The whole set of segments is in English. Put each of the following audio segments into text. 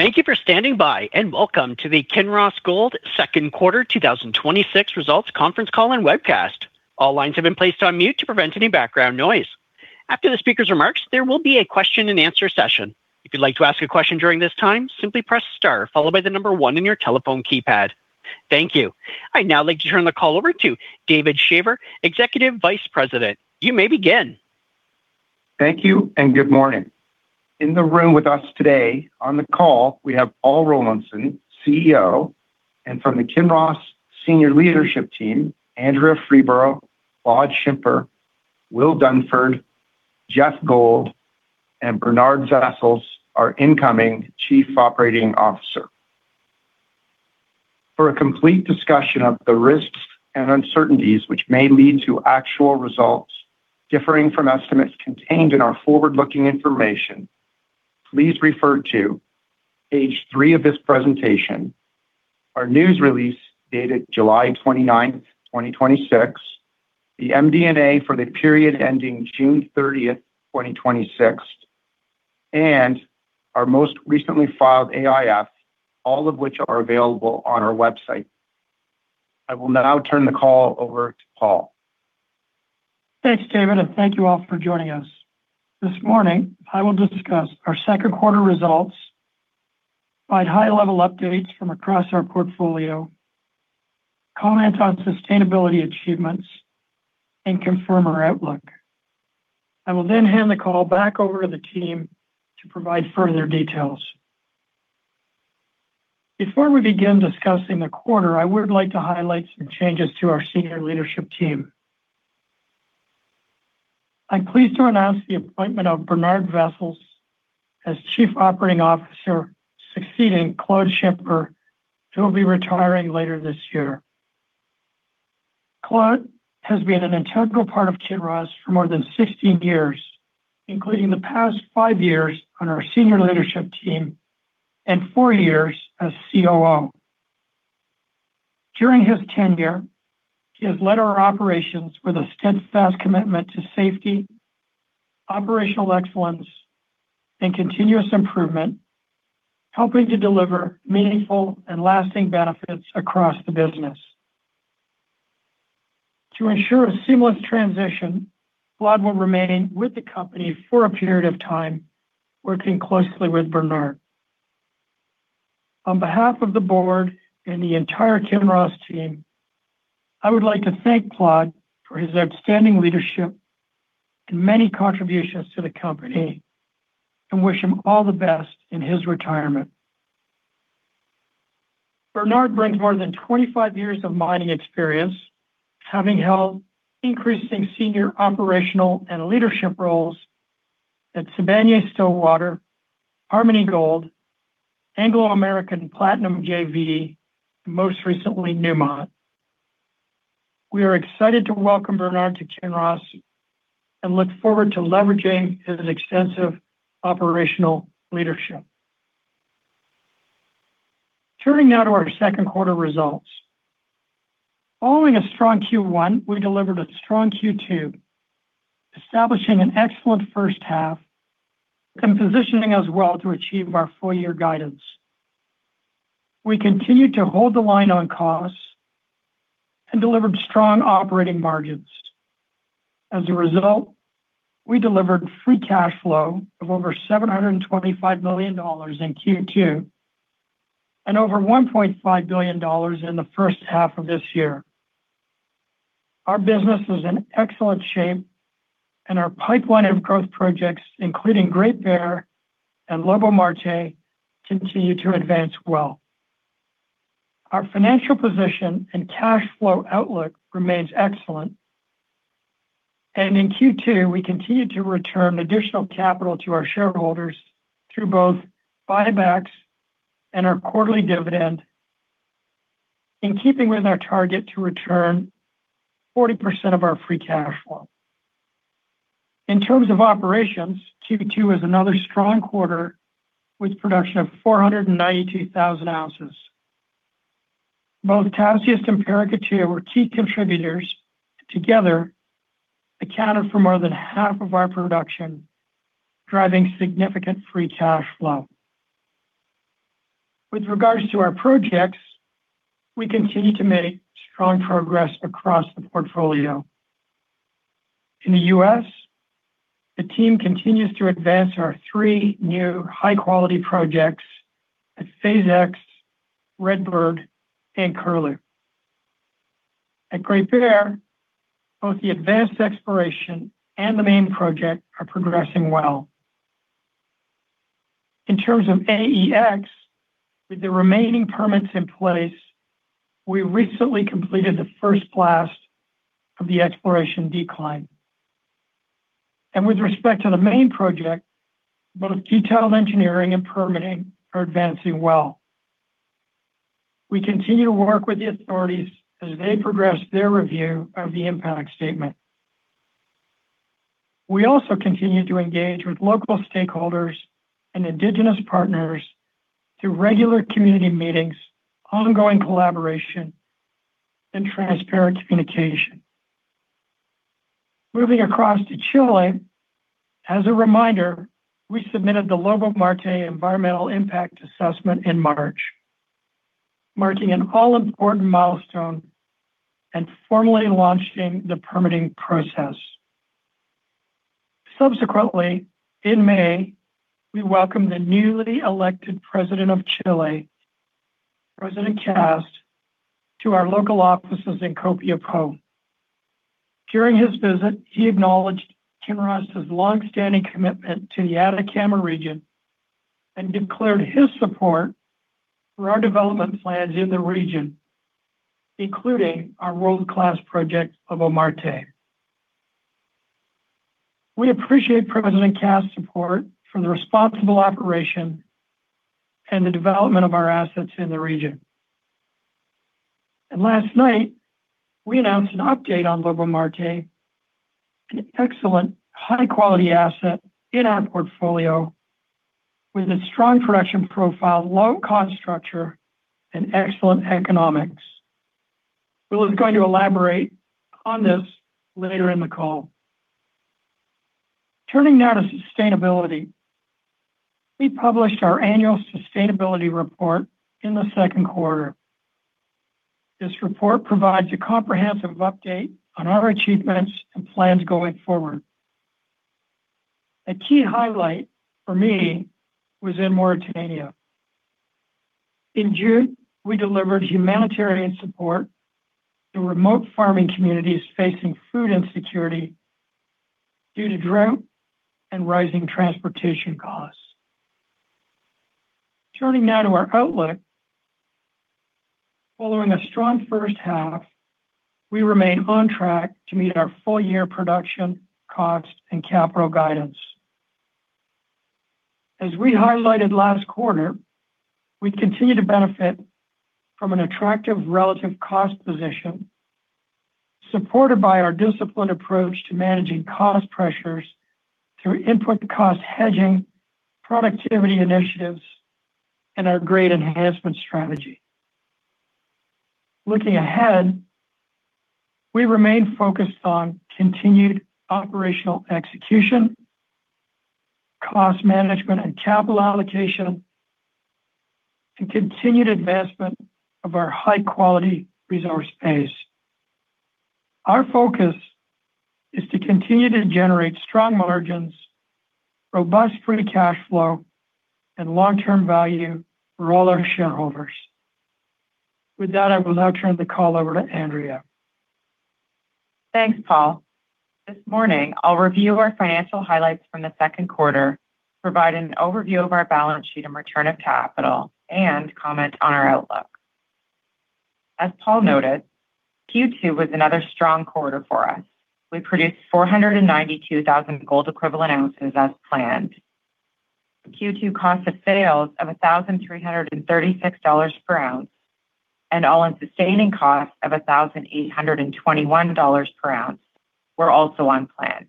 Thank you for standing by, welcome to the Kinross Gold Second Quarter 2026 Results Conference Call and Webcast. All lines have been placed on mute to prevent any background noise. After the speaker's remarks, there will be a question-and-answer session. If you'd like to ask a question during this time, simply press star, followed by the number one on your telephone keypad. Thank you. I'd now like to turn the call over to David Shaver, Executive Vice President. You may begin. Thank you, good morning. In the room with us today on the call, we have Paul Rollinson, CEO, and from the Kinross senior leadership team, Andrea Freeborough, Claude Schimper, Will Dunford, Geoff Gold, and Bernard Wessels, our incoming Chief Operating Officer. For a complete discussion of the risks and uncertainties which may lead to actual results differing from estimates contained in our forward-looking information, please refer to page three of this presentation, our news release dated July 29, 2026, the MD&A for the period ending June 30, 2026, and our most recently filed AIF, all of which are available on our website. I will now turn the call over to Paul. Thanks, David, thank you all for joining us. This morning, I will discuss our second quarter results, provide high-level updates from across our portfolio, comment on sustainability achievements, and confirm our outlook. I will then hand the call back over to the team to provide further details. Before we begin discussing the quarter, I would like to highlight some changes to our senior leadership team. I'm pleased to announce the appointment of Bernard Wessels as Chief Operating Officer, succeeding Claude Schimper, who will be retiring later this year. Claude has been an integral part of Kinross for more than 16 years, including the past five years on our senior leadership team and four years as COO. During his tenure, he has led our operations with a steadfast commitment to safety, operational excellence, and continuous improvement, helping to deliver meaningful and lasting benefits across the business. To ensure a seamless transition, Claude will remain with the company for a period of time, working closely with Bernard. On behalf of the board and the entire Kinross team, I would like to thank Claude for his outstanding leadership and many contributions to the company, and wish him all the best in his retirement. Bernard brings more than 25 years of mining experience, having held increasing senior operational and leadership roles at Sibanye-Stillwater, Harmony Gold, Anglo American Platinum JV, and most recently Newmont. We are excited to welcome Bernard to Kinross, and look forward to leveraging his extensive operational leadership. Turning now to our second quarter results. Following a strong Q1, we delivered a strong Q2, establishing an excellent first half and positioning us well to achieve our full year guidance. We continued to hold the line on costs and delivered strong operating margins. As a result, we delivered free cash flow of over $725 million in Q2, and over $1.5 billion in the first half of this year. Our business is in excellent shape, and our pipeline of growth projects, including Great Bear and Lobo-Marte, continue to advance well. Our financial position and cash flow outlook remains excellent. In Q2, we continued to return additional capital to our shareholders through both buybacks and our quarterly dividend, in keeping with our target to return 40% of our free cash flow. In terms of operations, Q2 was another strong quarter with production of 492,000 ounces. Both Tasiast and Paracatu were key contributors, together accounted for more than half of our production, driving significant free cash flow. With regards to our projects, we continue to make strong progress across the portfolio. In the U.S., the team continues to advance our three new high-quality projects at Phase X, Redbird, and Curlew. At Great Bear, both the advanced exploration and the main project are progressing well. In terms of AEX, with the remaining permits in place, we recently completed the first blast of the exploration decline. With respect to the main project, both detailed engineering and permitting are advancing well. We continue to work with the authorities as they progress their review of the impact statement. We also continue to engage with local stakeholders and indigenous partners through regular community meetings, ongoing collaboration, and transparent communication. Moving across to Chile. As a reminder, we submitted the Lobo-Marte Environmental Impact Assessment in March, marking an all-important milestone and formally launching the permitting process. Subsequently, in May, we welcomed the newly elected President of Chile, President Kast, to our local offices in Copiapó. During his visit, he acknowledged Kinross's longstanding commitment to the Atacama region and declared his support for our development plans in the region, including our world-class project Lobo-Marte. We appreciate President Kast's support for the responsible operation and the development of our assets in the region. Last night, we announced an update on Lobo-Marte, an excellent high-quality asset in our portfolio with a strong production profile, low cost structure, and excellent economics. Will is going to elaborate on this later in the call. Turning now to sustainability. We published our annual sustainability report in the second quarter. This report provides a comprehensive update on our achievements and plans going forward. A key highlight for me was in Mauritania. In June, we delivered humanitarian support to remote farming communities facing food insecurity due to drought and rising transportation costs. Turning now to our outlook. Following a strong first half, we remain on track to meet our full-year production, costs, and capital guidance. As we highlighted last quarter, we continue to benefit from an attractive relative cost position, supported by our disciplined approach to managing cost pressures through input cost hedging, productivity initiatives, and our grade enhancement strategy. Looking ahead, we remain focused on continued operational execution, cost management and capital allocation, and continued advancement of our high-quality resource base. Our focus is to continue to generate strong margins, robust free cash flow, and long-term value for all our shareholders. With that, I will now turn the call over to Andrea. Thanks, Paul. This morning, I'll review our financial highlights from the second quarter, provide an overview of our balance sheet and return of capital, and comment on our outlook. As Paul noted, Q2 was another strong quarter for us. We produced 492,000 gold equivalent ounces as planned. Q2 cost of sales of $1,336 per ounce and all-in sustaining costs of $1,821 per ounce were also on plan.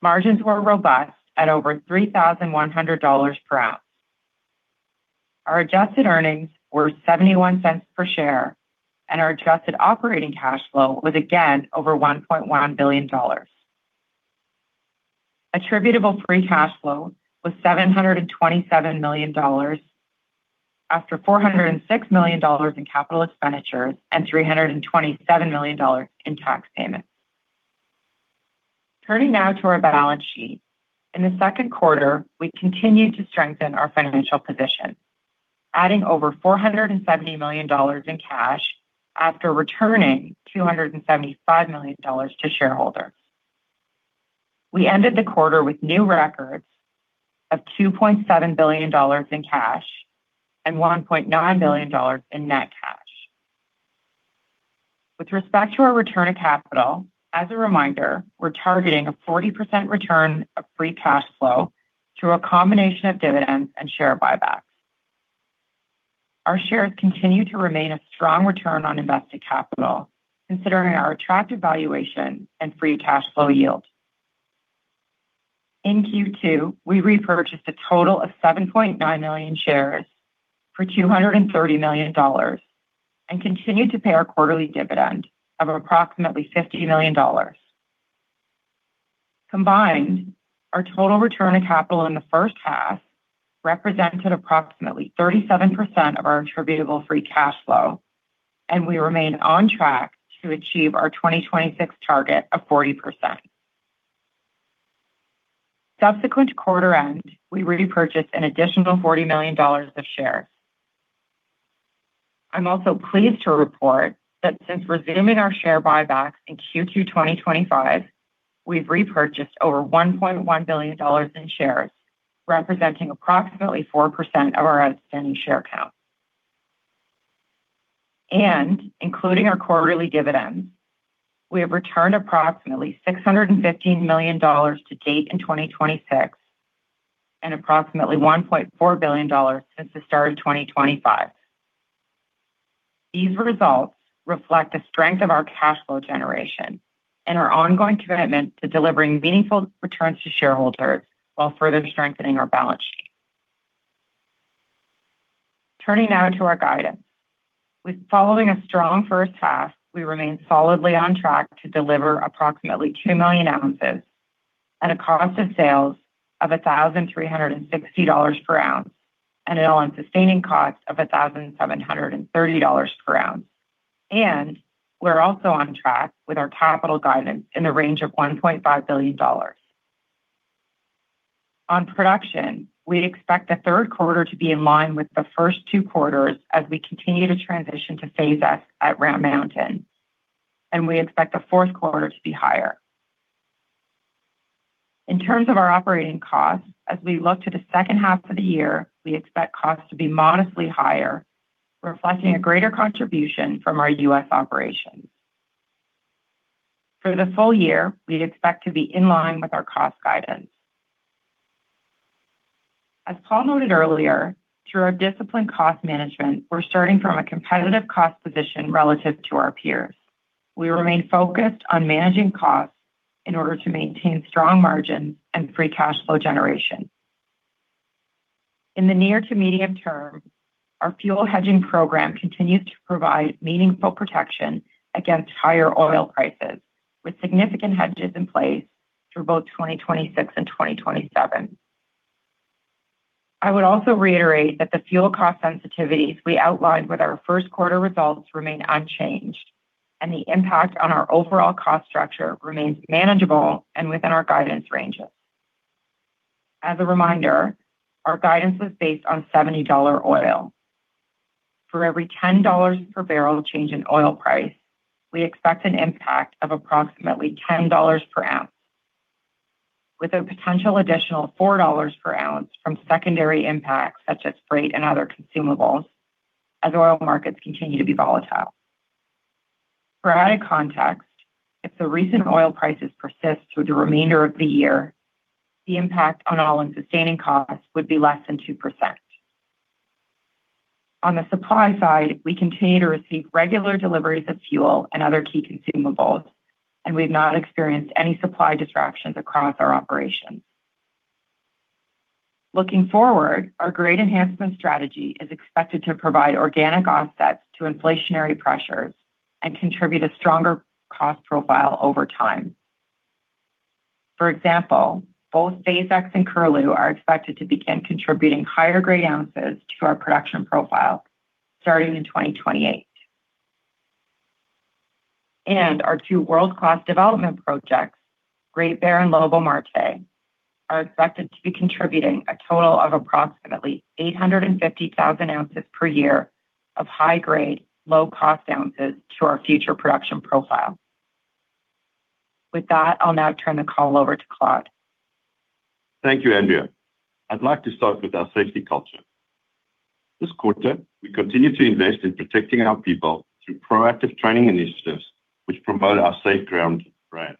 Margins were robust at over $3,100 per ounce. Our adjusted earnings were $0.71 per share, and our adjusted operating cash flow was again over $1.1 billion. Attributable free cash flow was $727 million, after $406 million in capital expenditures and $327 million in tax payments. Turning now to our balance sheet. In the second quarter, we continued to strengthen our financial position, adding over $470 million in cash after returning $275 million to shareholders. We ended the quarter with new records of $2.7 billion in cash and $1.9 billion in net cash. With respect to our return of capital, as a reminder, we're targeting a 40% return of free cash flow through a combination of dividends and share buybacks. Our shares continue to remain a strong return on invested capital, considering our attractive valuation and free cash flow yield. In Q2, we repurchased a total of 7.9 million shares for $230 million, and continued to pay our quarterly dividend of approximately $50 million. Combined, our total return of capital in the first half represented approximately 37% of our attributable free cash flow. We remain on track to achieve our 2026 target of 40%. Subsequent to quarter end, we repurchased an additional $40 million of shares. I'm also pleased to report that since resuming our share buybacks in Q2 2025, we've repurchased over $1.1 billion in shares, representing approximately 4% of our outstanding share count. Including our quarterly dividends, we have returned approximately $615 million to date in 2026 and approximately $1.4 billion since the start of 2025. These results reflect the strength of our cash flow generation and our ongoing commitment to delivering meaningful returns to shareholders while further strengthening our balance sheet. Turning now to our guidance. Following a strong first half, we remain solidly on track to deliver approximately 2 million ounces at a cost of sales of $1,360 per ounce and an all-in sustaining cost of $1,730 per ounce. We're also on track with our capital guidance in the range of $1.5 billion. On production, we expect the third quarter to be in line with the first two quarters as we continue to transition to Phase X at Round Mountain. We expect the fourth quarter to be higher. In terms of our operating costs, as we look to the second half of the year, we expect costs to be modestly higher, reflecting a greater contribution from our U.S. operations. For the full year, we'd expect to be in line with our cost guidance. As Paul noted earlier, through our disciplined cost management, we're starting from a competitive cost position relative to our peers. We remain focused on managing costs in order to maintain strong margins and free cash flow generation. In the near to medium term, our fuel hedging program continues to provide meaningful protection against higher oil prices, with significant hedges in place through both 2026 and 2027. I would also reiterate that the fuel cost sensitivities we outlined with our first quarter results remain unchanged, and the impact on our overall cost structure remains manageable and within our guidance ranges. As a reminder, our guidance was based on $70 oil. For every $10 per barrel change in oil price, we expect an impact of approximately $10 per ounce, with a potential additional $4 per ounce from secondary impacts such as freight and other consumables, as oil markets continue to be volatile. For added context, if the recent oil prices persist through the remainder of the year, the impact on all-in sustaining costs would be less than 2%. On the supply side, we continue to receive regular deliveries of fuel and other key consumables, and we've not experienced any supply disruptions across our operations. Looking forward, our grade enhancement strategy is expected to provide organic offsets to inflationary pressures and contribute a stronger cost profile over time. For example, both Phase X and Curlew are expected to begin contributing higher-grade ounces to our production profile starting in 2028. Our two world-class development projects, Great Bear and Lobo-Marte, are expected to be contributing a total of approximately 850,000 ounces per year of high-grade, low-cost ounces to our future production profile. With that, I'll now turn the call over to Claude. Thank you, Andrea. I'd like to start with our safety culture. This quarter, we continue to invest in protecting our people through proactive training initiatives which promote our Safe Ground brand.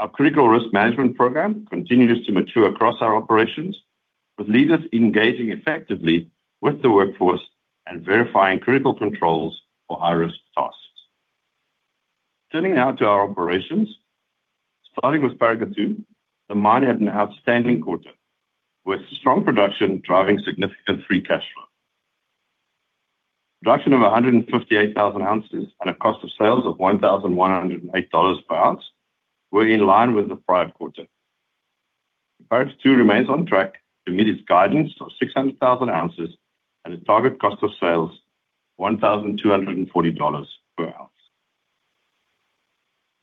Our critical risk management program continues to mature across our operations, with leaders engaging effectively with the workforce and verifying critical controls for high-risk tasks. Turning now to our operations. Starting with Paracatu, the mine had an outstanding quarter, with strong production driving significant free cash flow. Production of 158,000 ounces at a cost of sales of $1,108 per ounce were in line with the prior quarter. Paracatu remains on track to meet its guidance of 600,000 ounces at a target cost of sales, $1,240 per ounce.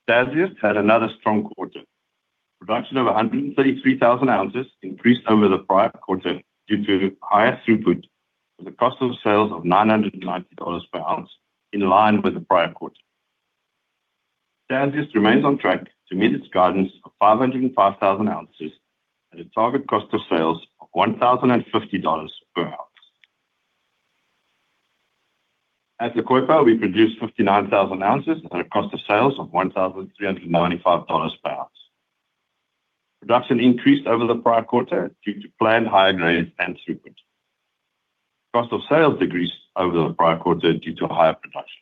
Tasiast had another strong quarter. Production of 133,000 ounces increased over the prior quarter due to higher throughput with a cost of sales of $990 per ounce in line with the prior quarter. Tasiast remains on track to meet its guidance of 505,000 ounces at a target cost of sales of $1,050 per ounce. At La Coipa, we produced 59,000 ounces at a cost of sales of $1,395 per ounce. Production increased over the prior quarter due to planned higher grades and throughput. Cost of sales decreased over the prior quarter due to higher production.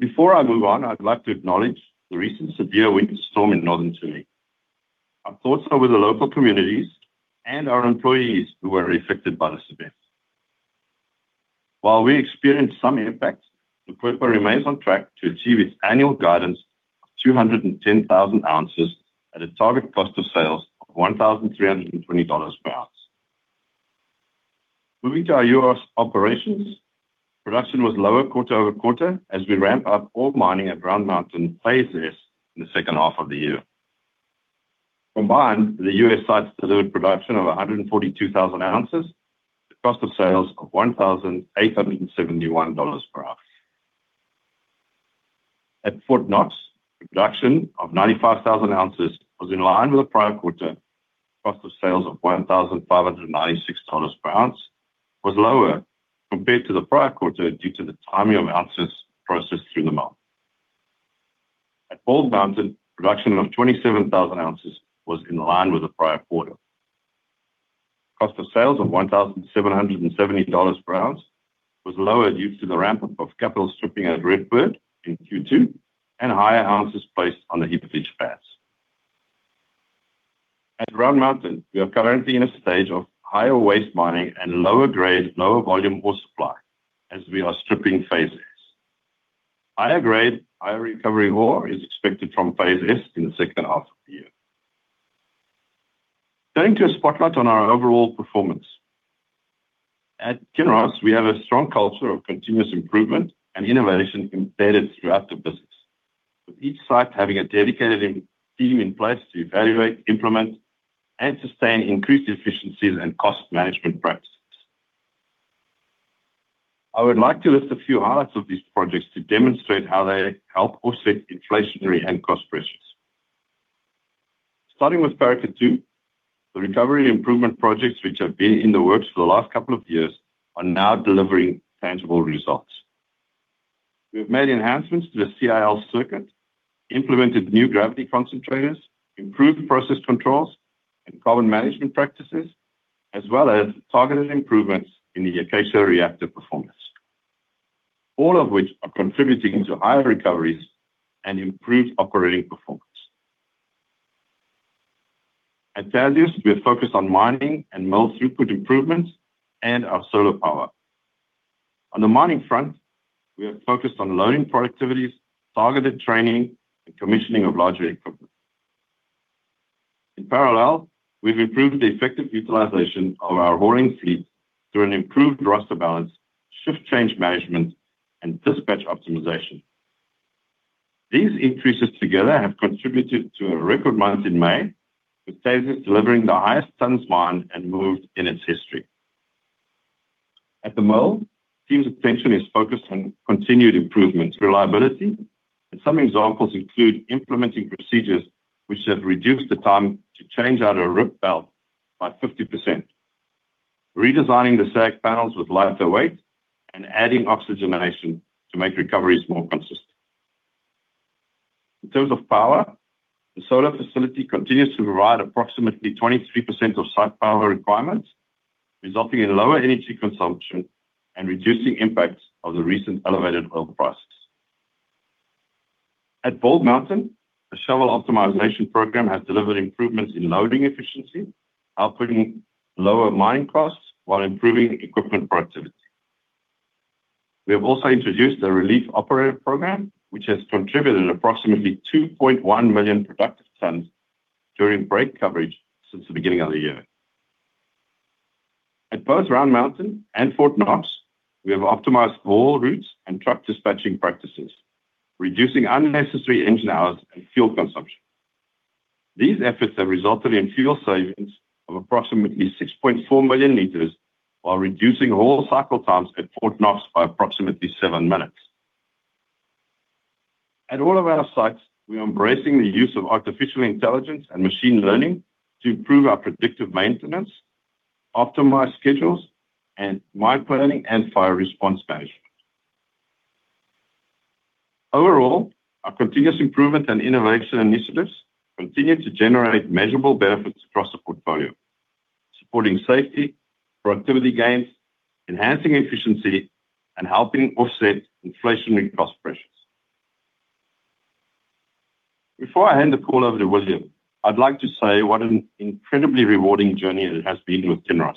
Before I move on, I'd like to acknowledge the recent severe winter storm in Northern Chile. Our thoughts are with the local communities and our employees who were affected by this event. While we experienced some impacts, La Coipa remains on track to achieve its annual guidance of 210,000 ounces at a target cost of sales of $1,320 per ounce. Moving to our U.S. operations, production was lower quarter-over-quarter as we ramp up ore mining at Round Mountain Phase X in the second half of the year. Combined, the U.S. sites delivered production of 142,000 ounces at a cost of sales of $1,871 per ounce. At Fort Knox, production of 95,000 ounces was in line with the prior quarter. Cost of sales of $1,596 per ounce was lower compared to the prior quarter due to the timing of ounces processed through the month. At Bald Mountain, production of 27,000 ounces was in line with the prior quarter. Cost of sales of $1,770 per ounce was lower due to the ramp-up of capital stripping at Redbird in Q2 and higher ounces placed on the heap leach pads. At Round Mountain, we are currently in a stage of higher waste mining and lower grade, lower volume ore supply as we are stripping Phase S. Higher grade, higher recovery ore is expected from Phase S in the second half of the year. Turning to a spotlight on our overall performance. At Kinross, we have a strong culture of continuous improvement and innovation embedded throughout the business, with each site having a dedicated team in place to evaluate, implement, and sustain increased efficiencies and cost management practices. I would like to list a few highlights of these projects to demonstrate how they help offset inflationary and cost pressures. Starting with Paracatu, the recovery improvement projects which have been in the works for the last couple of years, are now delivering tangible results. We have made enhancements to the CIL circuit, implemented new gravity concentrators, improved process controls and carbon management practices, as well as targeted improvements in the Acacia Reactor performance. All of which are contributing to higher recoveries and improved operating performance. At Tasiast, we are focused on mining and mill throughput improvements and our solar power. On the mining front, we are focused on loading productivities, targeted training, and commissioning of larger equipment. In parallel, we've improved the effective utilization of our hauling fleet through an improved roster balance, shift change management, and dispatch optimization. These increases together have contributed to a record month in May, with Tasiast delivering the highest tonnes mined and moved in its history. At the mill, team's attention is focused on continued improvements, reliability, and some examples include implementing procedures which have reduced the time to change out a rip belt by 50%, redesigning the SAG panels with lighter weight and adding oxygenation to make recoveries more consistent. In terms of power, the solar facility continues to provide approximately 23% of site power requirements, resulting in lower energy consumption and reducing impacts of the recent elevated oil prices. At Bald Mountain, a shovel optimization program has delivered improvements in loading efficiency, outputting lower mining costs while improving equipment productivity. We have also introduced a relief operator program, which has contributed approximately 2.1 million productive tonnes during break coverage since the beginning of the year. At both Round Mountain and Fort Knox, we have optimized haul routes and truck dispatching practices, reducing unnecessary engine hours and fuel consumption. These efforts have resulted in fuel savings of approximately 6.4 million liters while reducing haul cycle times at Fort Knox by approximately seven minutes. At all of our sites, we are embracing the use of artificial intelligence and machine learning to improve our predictive maintenance, optimize schedules, and mine planning and fire response management. Overall, our continuous improvement and innovation initiatives continue to generate measurable benefits across the portfolio, supporting safety, productivity gains, enhancing efficiency, and helping offset inflationary cost pressures. Before I hand the call over to William, I would like to say what an incredibly rewarding journey it has been with Kinross.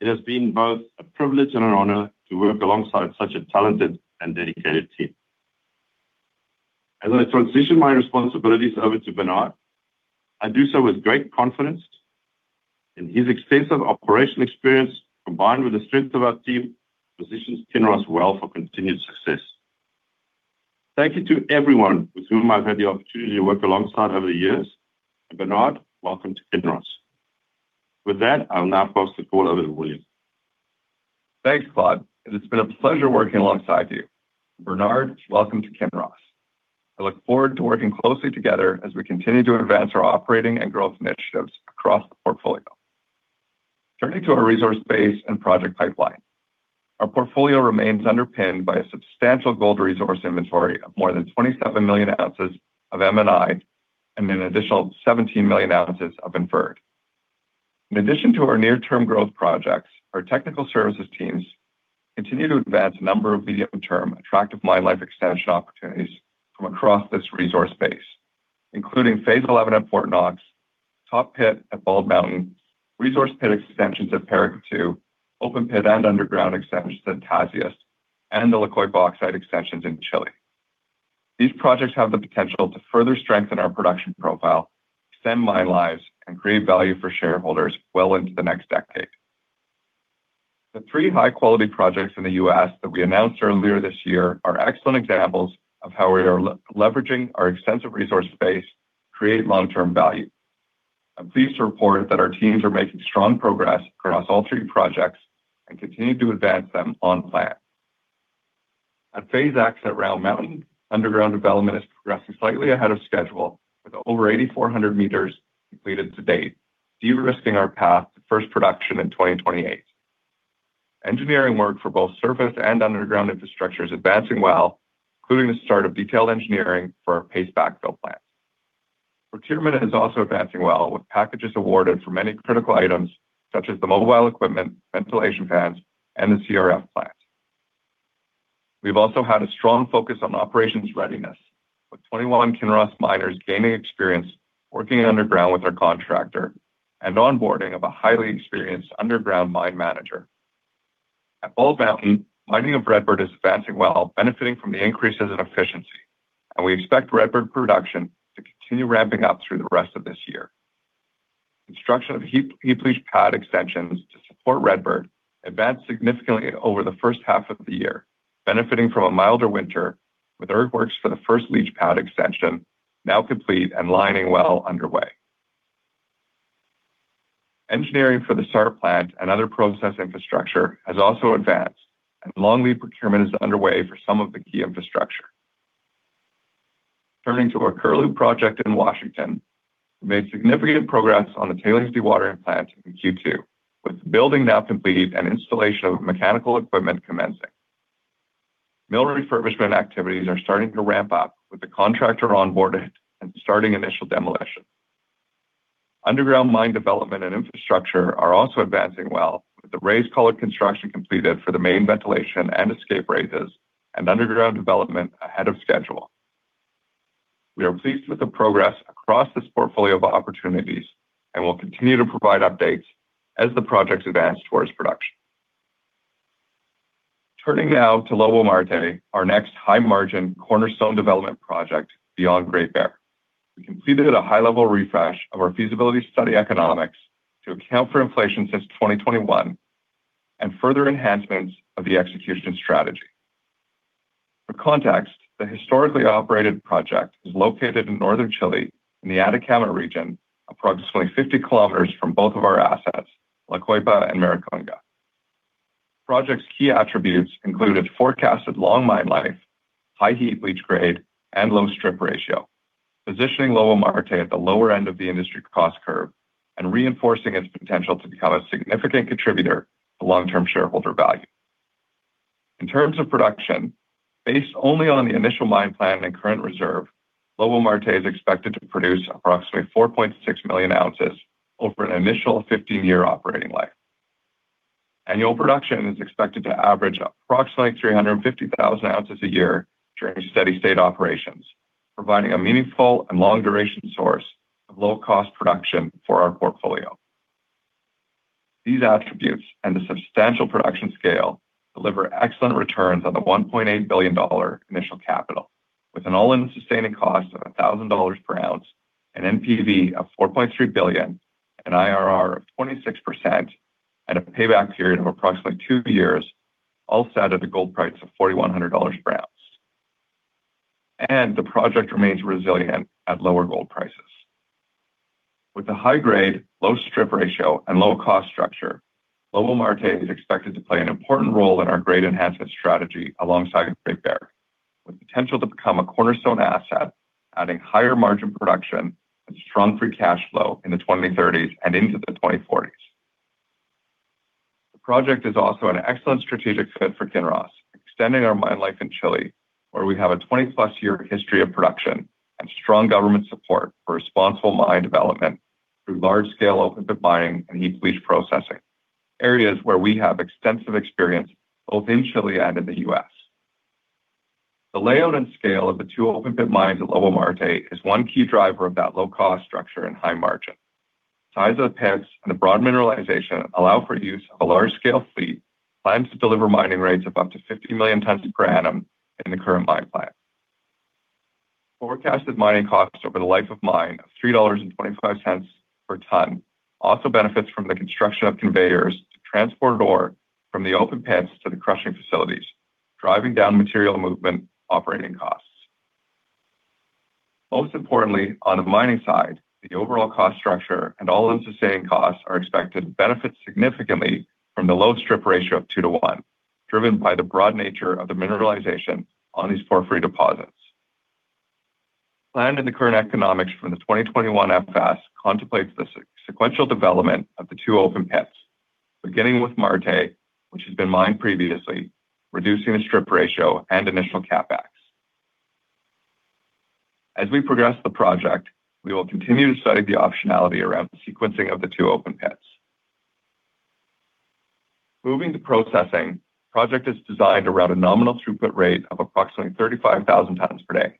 It has been both a privilege and an honor to work alongside such a talented and dedicated team. As I transition my responsibilities over to Bernard, I do so with great confidence in his extensive operational experience, combined with the strength of our team, positions Kinross well for continued success. Thank you to everyone with whom I have had the opportunity to work alongside over the years. Bernard, welcome to Kinross. With that, I will now pass the call over to William. Thanks, Claude. It has been a pleasure working alongside you. Bernard, welcome to Kinross. I look forward to working closely together as we continue to advance our operating and growth initiatives across the portfolio. Turning to our resource base and project pipeline. Our portfolio remains underpinned by a substantial gold resource inventory of more than 27 million ounces of M&I, and an additional 17 million ounces of inferred. In addition to our near-term growth projects, our technical services teams continue to advance a number of medium and term attractive mine life extension opportunities from across this resource base, including Phase 11 at Fort Knox, Top Pit at Bald Mountain, Resource Pit extensions at Paracatu, open pit and underground extensions at Tasiast, and the La Coipa oxide extensions in Chile. These projects have the potential to further strengthen our production profile, extend mine lives, and create value for shareholders well into the next decade. The three high-quality projects in the U.S. that we announced earlier this year are excellent examples of how we are leveraging our extensive resource base to create long-term value. I am pleased to report that our teams are making strong progress across all three projects and continue to advance them on plan. At Phase X at Round Mountain, underground development is progressing slightly ahead of schedule with over 8,400 meters completed to date, de-risking our path to first production in 2028. Engineering work for both surface and underground infrastructure is advancing well, including the start of detailed engineering for our paste backfill plant. Procurement is also advancing well, with packages awarded for many critical items such as the mobile equipment, ventilation fans, and the CRF plant. We have also had a strong focus on operations readiness, with 21 Kinross miners gaining experience working underground with our contractor and onboarding of a highly experienced underground mine manager. At Bald Mountain, mining of Redbird is advancing well, benefiting from the increases in efficiency, and we expect Redbird production to continue ramping up through the rest of this year. Construction of heap leach pad extensions to support Redbird advanced significantly over the first half of the year, benefiting from a milder winter with earthworks for the first leach pad extension now complete and lining well underway. Engineering for the SAR plant and other process infrastructure has also advanced, and long-lead procurement is underway for some of the key infrastructure. Turning to our Curlew project in Washington, we made significant progress on the tailings dewatering plant in Q2, with the building now complete and installation of mechanical equipment commencing. Mill refurbishment activities are starting to ramp up with the contractor onboarded and starting initial demolition. Underground mine development and infrastructure are also advancing well with the raise collar construction completed for the main ventilation and escape raises and underground development ahead of schedule. We are pleased with the progress across this portfolio of opportunities and will continue to provide updates as the project advances towards production. Turning now to Lobo-Marte, our next high-margin cornerstone development project beyond Great Bear. We completed a high-level refresh of our feasibility study economics to account for inflation since 2021 and further enhancements of the execution strategy. For context, the historically operated project is located in northern Chile in the Atacama Region, approximately 50 km from both of our assets, La Coipa and Maricunga. Project's key attributes include its forecasted long mine life, high heap leach grade, and low strip ratio, positioning Lobo-Marte at the lower end of the industry cost curve and reinforcing its potential to become a significant contributor to long-term shareholder value. In terms of production, based only on the initial mine plan and current reserve, Lobo-Marte is expected to produce approximately 4.6 million ounces over an initial 15-year operating life. Annual production is expected to average approximately 350,000 ounces a year during steady state operations, providing a meaningful and long duration source of low-cost production for our portfolio. These attributes and the substantial production scale deliver excellent returns on the $1.8 billion initial capital with an all-in sustaining cost of $1,000 per ounce and NPV of $4.3 billion and IRR of 26% and a payback period of approximately two years, all set at a gold price of $4,100 per ounce. The project remains resilient at lower gold prices. With a high grade, low strip ratio, and low cost structure, Lobo-Marte is expected to play an important role in our grade enhancement strategy alongside Great Bear, with potential to become a cornerstone asset, adding higher margin production and strong free cash flow in the 2030s and into the 2040s. The project is also an excellent strategic fit for Kinross, extending our mine life in Chile, where we have a 20+ year history of production and strong government support for responsible mine development through large-scale open pit mining and heap leach processing, areas where we have extensive experience both in Chile and in the U.S. The layout and scale of the two open pit mines at Lobo-Marte is one key driver of that low cost structure and high margin. Size of the pits and the broad mineralization allow for use of a large-scale fleet planned to deliver mining rates of up to 50 million tons per annum in the current mine plan. Forecasted mining costs over the life of mine of $3.25 per ton also benefits from the construction of conveyors to transport ore from the open pits to the crushing facilities, driving down material movement operating costs. Most importantly, on the mining side, the overall cost structure and all-in sustaining costs are expected to benefit significantly from the low strip ratio of 2:1, driven by the broad nature of the mineralization on these porphyry deposits. Planned in the current economics from the 2021 FS contemplates the sequential development of the two open pits, beginning with Marte, which has been mined previously, reducing the strip ratio and initial CapEx. As we progress the project, we will continue to study the optionality around the sequencing of the two open pits. Moving to processing, the project is designed around a nominal throughput rate of approximately 35,000 tons per day,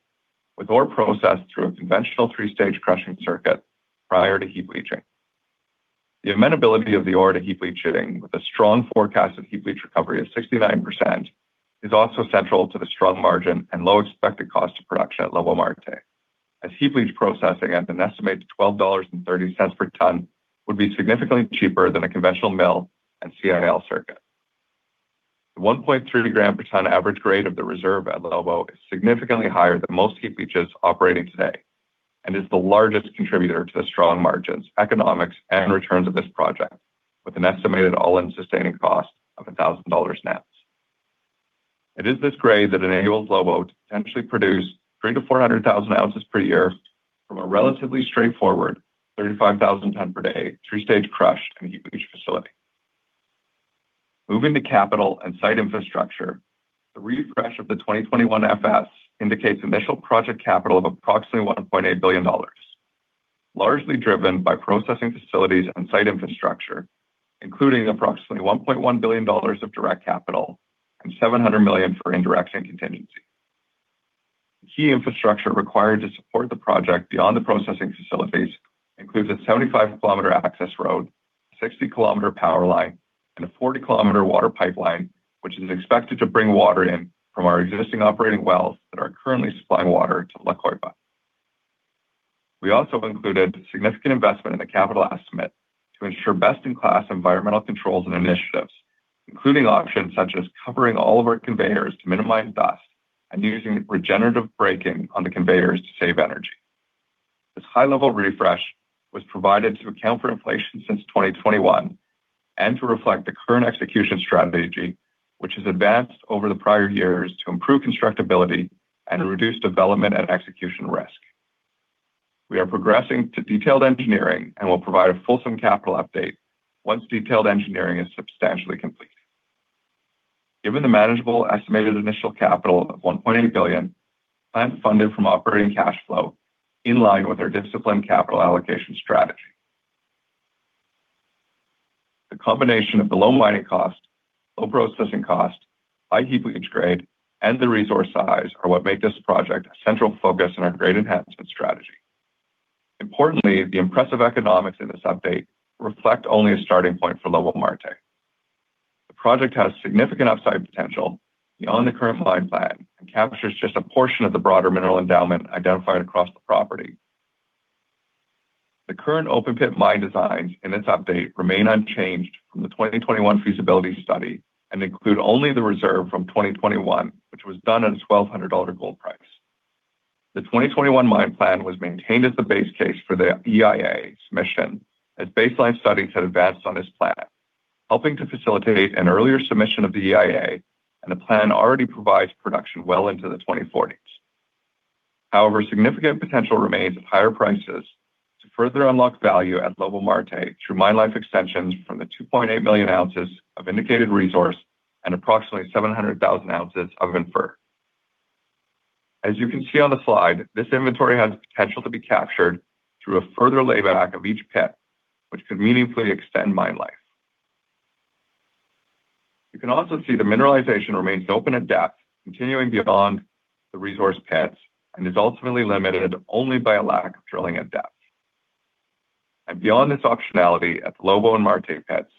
with ore processed through a conventional 3-stage crushing circuit prior to heap leaching. The amenability of the ore to heap leaching with a strong forecast of heap leach recovery of 69% is also central to the strong margin and low expected cost of production at Lobo-Marte, as heap leach processing at an estimated $12.30 per ton would be significantly cheaper than a conventional mill and CIL circuit. The 1.3 gram per ton average grade of the reserve at Lobo is significantly higher than most heap leaches operating today and is the largest contributor to the strong margins, economics, and returns of this project, with an estimated all-in sustaining cost of $1,000 nets. It is this grade that enables Lobo to potentially produce 300,000-400,000 ounces per year from a relatively straightforward 35,000 ton per day three-stage crush and heap leach facility. Moving to capital and site infrastructure, the refresh of the 2021 FS indicates initial project capital of approximately $1.8 billion largely driven by processing facilities and site infrastructure, including approximately $1.1 billion of direct capital and $700 million for indirect and contingency. Key infrastructure required to support the project beyond the processing facilities includes a 75-km access road, 60-km power line, and a 40-km water pipeline, which is expected to bring water in from our existing operating wells that are currently supplying water to La Coipa. We also included significant investment in the capital estimate to ensure best-in-class environmental controls and initiatives, including options such as covering all of our conveyors to minimize dust and using regenerative braking on the conveyors to save energy. This high-level refresh was provided to account for inflation since 2021 and to reflect the current execution strategy, which has advanced over the prior years to improve constructability and reduce development and execution risk. We are progressing to detailed engineering and will provide a fulsome capital update once detailed engineering is substantially complete. Given the manageable estimated initial capital of $1.8 billion, planned funded from operating cash flow in line with our disciplined capital allocation strategy. The combination of the low mining cost, low processing cost, high heap leach grade, and the resource size are what make this project a central focus in our grade enhancement strategy. Importantly, the impressive economics in this update reflect only a starting point for Lobo-Marte. The project has significant upside potential beyond the current mine plan and captures just a portion of the broader mineral endowment identified across the property. The current open pit mine designs in this update remain unchanged from the 2021 feasibility study and include only the reserve from 2021, which was done at a $1,200 gold price. The 2021 mine plan was maintained as the base case for the EIA submission, as baseline studies have advanced on this plan, helping to facilitate an earlier submission of the EIA, and the plan already provides production well into the 2040s. However, significant potential remains at higher prices to further unlock value at Lobo-Marte through mine life extensions from the 2.8 million ounces of indicated resource and approximately 700,000 ounces of inferred. As you can see on the slide, this inventory has potential to be captured through a further layback of each pit, which could meaningfully extend mine life. You can also see the mineralization remains open at depth, continuing beyond the resource pits, and is ultimately limited only by a lack of drilling at depth. Beyond this optionality at the Lobo-Marte pits,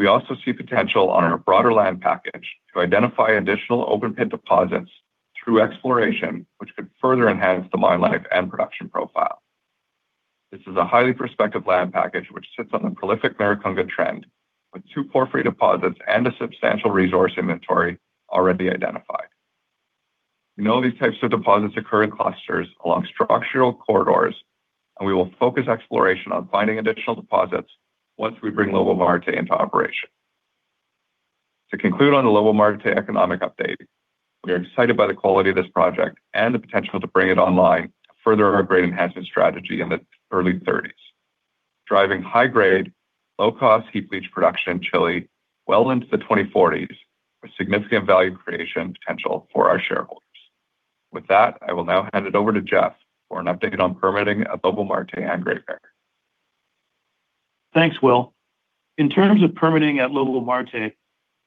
we also see potential on our broader land package to identify additional open pit deposits through exploration, which could further enhance the mine life and production profile. This is a highly prospective land package which sits on the prolific Maricunga trend, with two porphyry deposits and a substantial resource inventory already identified. We know these types of deposits occur in clusters along structural corridors, we will focus exploration on finding additional deposits once we bring Lobo-Marte into operation. To conclude on the Lobo-Marte economic update, we are excited by the quality of this project and the potential to bring it online to further our grade enhancement strategy in the early 2030s. Driving high-grade, low-cost heap leach production in Chile well into the 2040s with significant value creation potential for our shareholders. With that, I will now hand it over to Geoff for an update on permitting at Lobo-Marte and Great Bear. Thanks, Will. In terms of permitting at Lobo-Marte,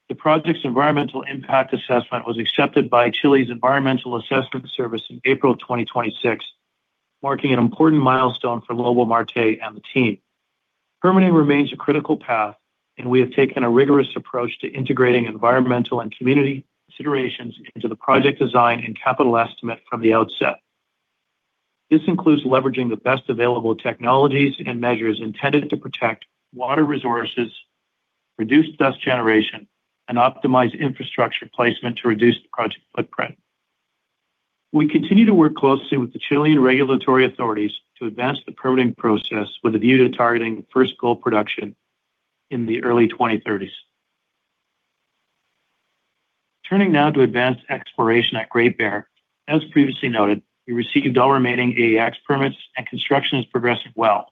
the project's Environmental Impact Assessment was accepted by Chile's Environmental Assessment Service in April 2026, marking an important milestone for Lobo-Marte and the team. Permitting remains a critical path, and we have taken a rigorous approach to integrating environmental and community considerations into the project design and capital estimate from the outset. This includes leveraging the best available technologies and measures intended to protect water resources, reduce dust generation, and optimize infrastructure placement to reduce the project footprint. We continue to work closely with the Chilean regulatory authorities to advance the permitting process with a view to targeting first gold production in the early 2030s. Turning now to advanced exploration at Great Bear. As previously noted, we received all remaining AEX permits and construction is progressing well,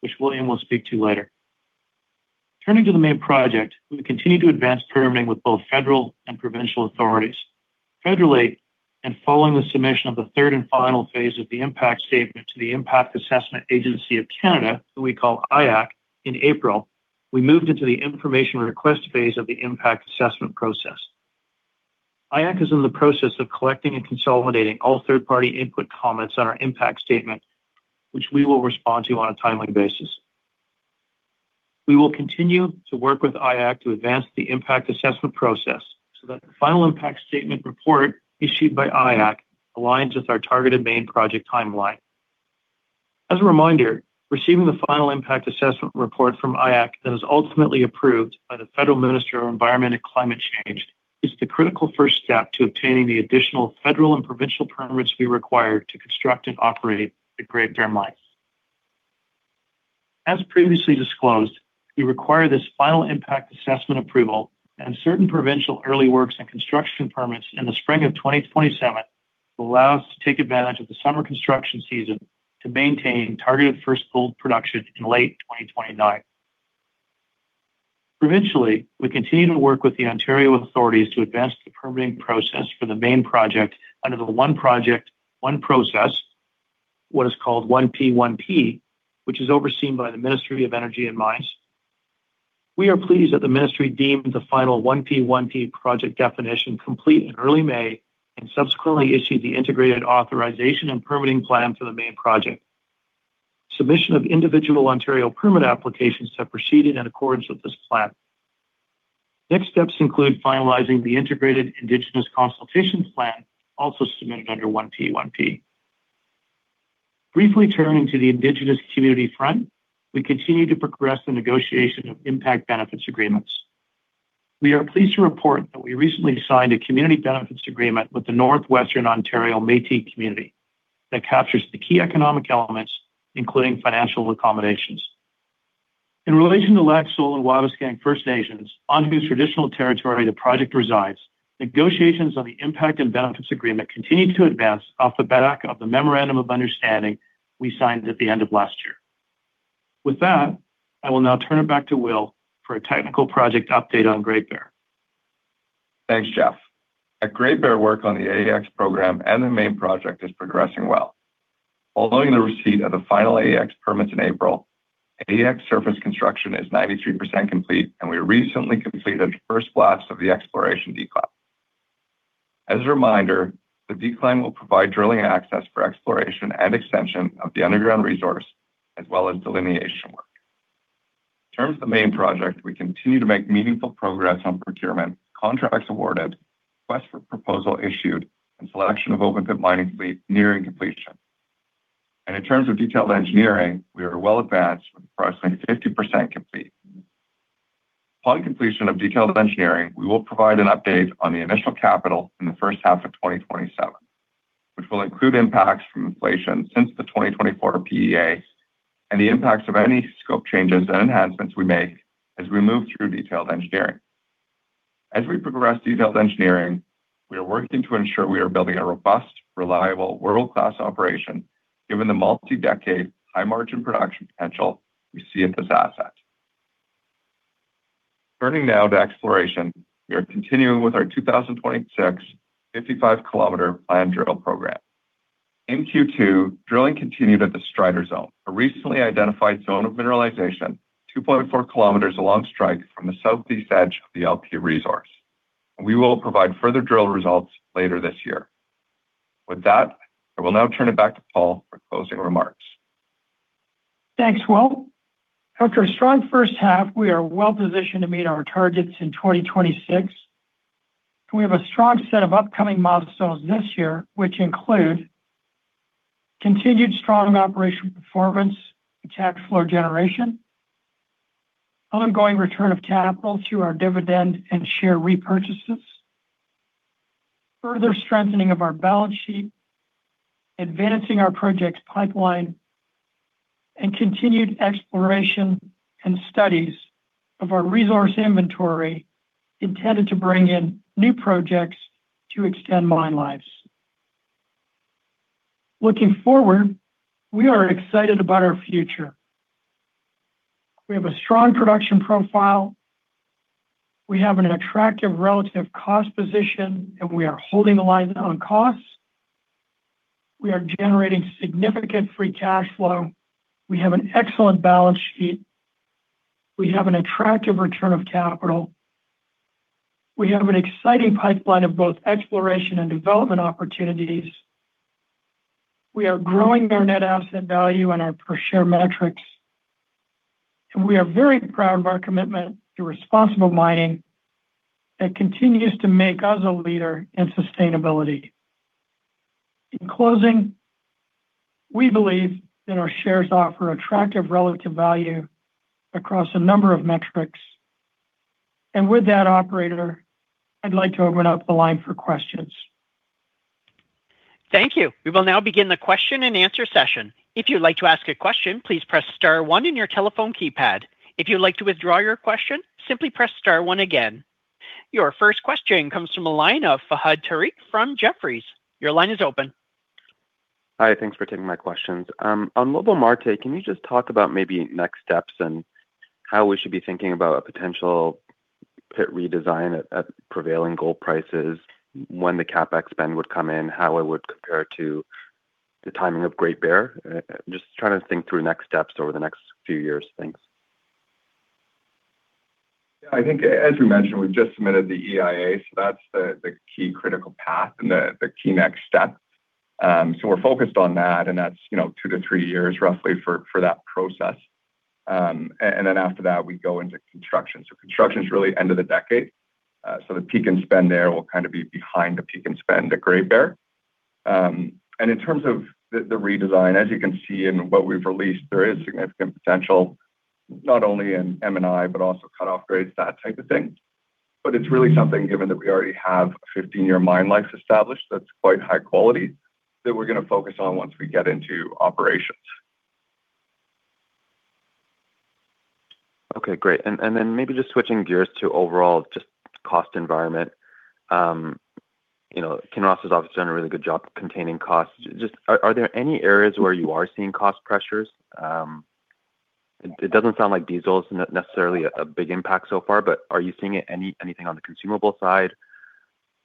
which William will speak to later. Turning to the main project, we continue to advance permitting with both federal and provincial authorities. Federally, following the submission of the third and final phase of the impact statement to the Impact Assessment Agency of Canada, who we call IAAC, in April, we moved into the information request phase of the impact assessment process. IAAC is in the process of collecting and consolidating all third-party input comments on our impact statement, which we will respond to on a timely basis. We will continue to work with IAAC to advance the impact assessment process so that the final impact statement report issued by IAAC aligns with our targeted main project timeline. As a reminder, receiving the final impact assessment report from IAAC that is ultimately approved by the Federal Minister of Environment and Climate Change is the critical first step to obtaining the additional federal and provincial permits we require to construct and operate the Great Bear mine. As previously disclosed, we require this final impact assessment approval and certain provincial early works and construction permits in the spring of 2027 will allow us to take advantage of the summer construction season to maintain targeted first gold production in late 2029. Provincially, we continue to work with the Ontario authorities to advance the permitting process for the main project under the One Project, One Process, what is called 1P1P, which is overseen by the Ministry of Energy and Mines. We are pleased that the ministry deemed the final 1P1P project definition complete in early May and subsequently issued the integrated authorization and permitting plan for the main project. Submission of individual Ontario permit applications have proceeded in accordance with this plan. Next steps include finalizing the integrated Indigenous consultations plan, also submitted under 1P1P. Briefly turning to the Indigenous community front, we continue to progress the negotiation of impact benefits agreements. We are pleased to report that we recently signed a community benefits agreement with the Northwestern Ontario Métis Community that captures the key economic elements, including financial accommodations. In relation to Lac Seul and Wabaseemoong First Nations, onto whose traditional territory the project resides, negotiations on the impact and benefits agreement continue to advance off the back of the memorandum of understanding we signed at the end of last year. With that, I will now turn it back to Will for a technical project update on Great Bear. Thanks, Geoff. At Great Bear, work on the AEX program and the main project is progressing well. Following the receipt of the final AEX permits in April, AEX surface construction is 93% complete, and we recently completed the first blast of the exploration decline. As a reminder, the decline will provide drilling access for exploration and extension of the underground resource, as well as delineation work. In terms of the main project, we continue to make meaningful progress on procurement, contracts awarded, requests for proposal issued, and selection of open pit mining fleet nearing completion. In terms of detailed engineering, we are well advanced with approximately 50% complete. Upon completion of detailed engineering, we will provide an update on the initial capital in the first half of 2027, which will include impacts from inflation since the 2024 PEA and the impacts of any scope changes and enhancements we make as we move through detailed engineering. As we progress detailed engineering, we are working to ensure we are building a robust, reliable, world-class operation given the multi-decade high margin production potential we see at this asset. Turning now to exploration, we are continuing with our 2026 55-km planned drill program. In Q2, drilling continued at the Strider Zone, a recently identified zone of mineralization 2.4 km along strike from the southeast edge of the LP resource. We will provide further drill results later this year. With that, I will now turn it back to Paul for closing remarks. Thanks, Will. After a strong first half, we are well-positioned to meet our targets in 2026. We have a strong set of upcoming milestones this year, which include continued strong operational performance and cash flow generation, ongoing return of capital to our dividend and share repurchases, further strengthening of our balance sheet, advancing our projects pipeline, and continued exploration and studies of our resource inventory intended to bring in new projects to extend mine lives. Looking forward, we are excited about our future. We have a strong production profile, we have an attractive relative cost position, and we are holding the line on costs. We are generating significant free cash flow. We have an excellent balance sheet. We have an attractive return of capital. We have an exciting pipeline of both exploration and development opportunities. We are growing our net asset value and our per share metrics, and we are very proud of our commitment to responsible mining that continues to make us a leader in sustainability. In closing, we believe that our shares offer attractive relative value across a number of metrics. With that, operator, I'd like to open up the line for questions. Thank you. We will now begin the question-and-answer session. If you'd like to ask a question, please press star one on your telephone keypad. If you'd like to withdraw your question, simply press star one again. Your first question comes from the line of Fahad Tariq from Jefferies. Your line is open. Hi, thanks for taking my questions. On Lobo-Marte, can you just talk about maybe next steps and how we should be thinking about a potential pit redesign at prevailing gold prices, when the CapEx spend would come in, how it would compare to the timing of Great Bear? Just trying to think through next steps over the next few years. Thanks. I think as we mentioned, we just submitted the EIA. That's the key critical path and the key next step. We're focused on that, and that's two to three years roughly for that process. After that, we go into construction. Construction is really end of the decade. The peak in spend there will kind of be behind the peak in spend at Great Bear. In terms of the redesign, as you can see in what we've released, there is significant potential, not only in M&I, but also cutoff grades, that type of thing. It's really something, given that we already have a 15-year mine life established that's quite high quality, that we're going to focus on once we get into operations. Okay, great. Maybe just switching gears to overall just cost environment. Kinross has obviously done a really good job containing costs. Are there any areas where you are seeing cost pressures? It doesn't sound like diesel is not necessarily a big impact so far, but are you seeing anything on the consumable side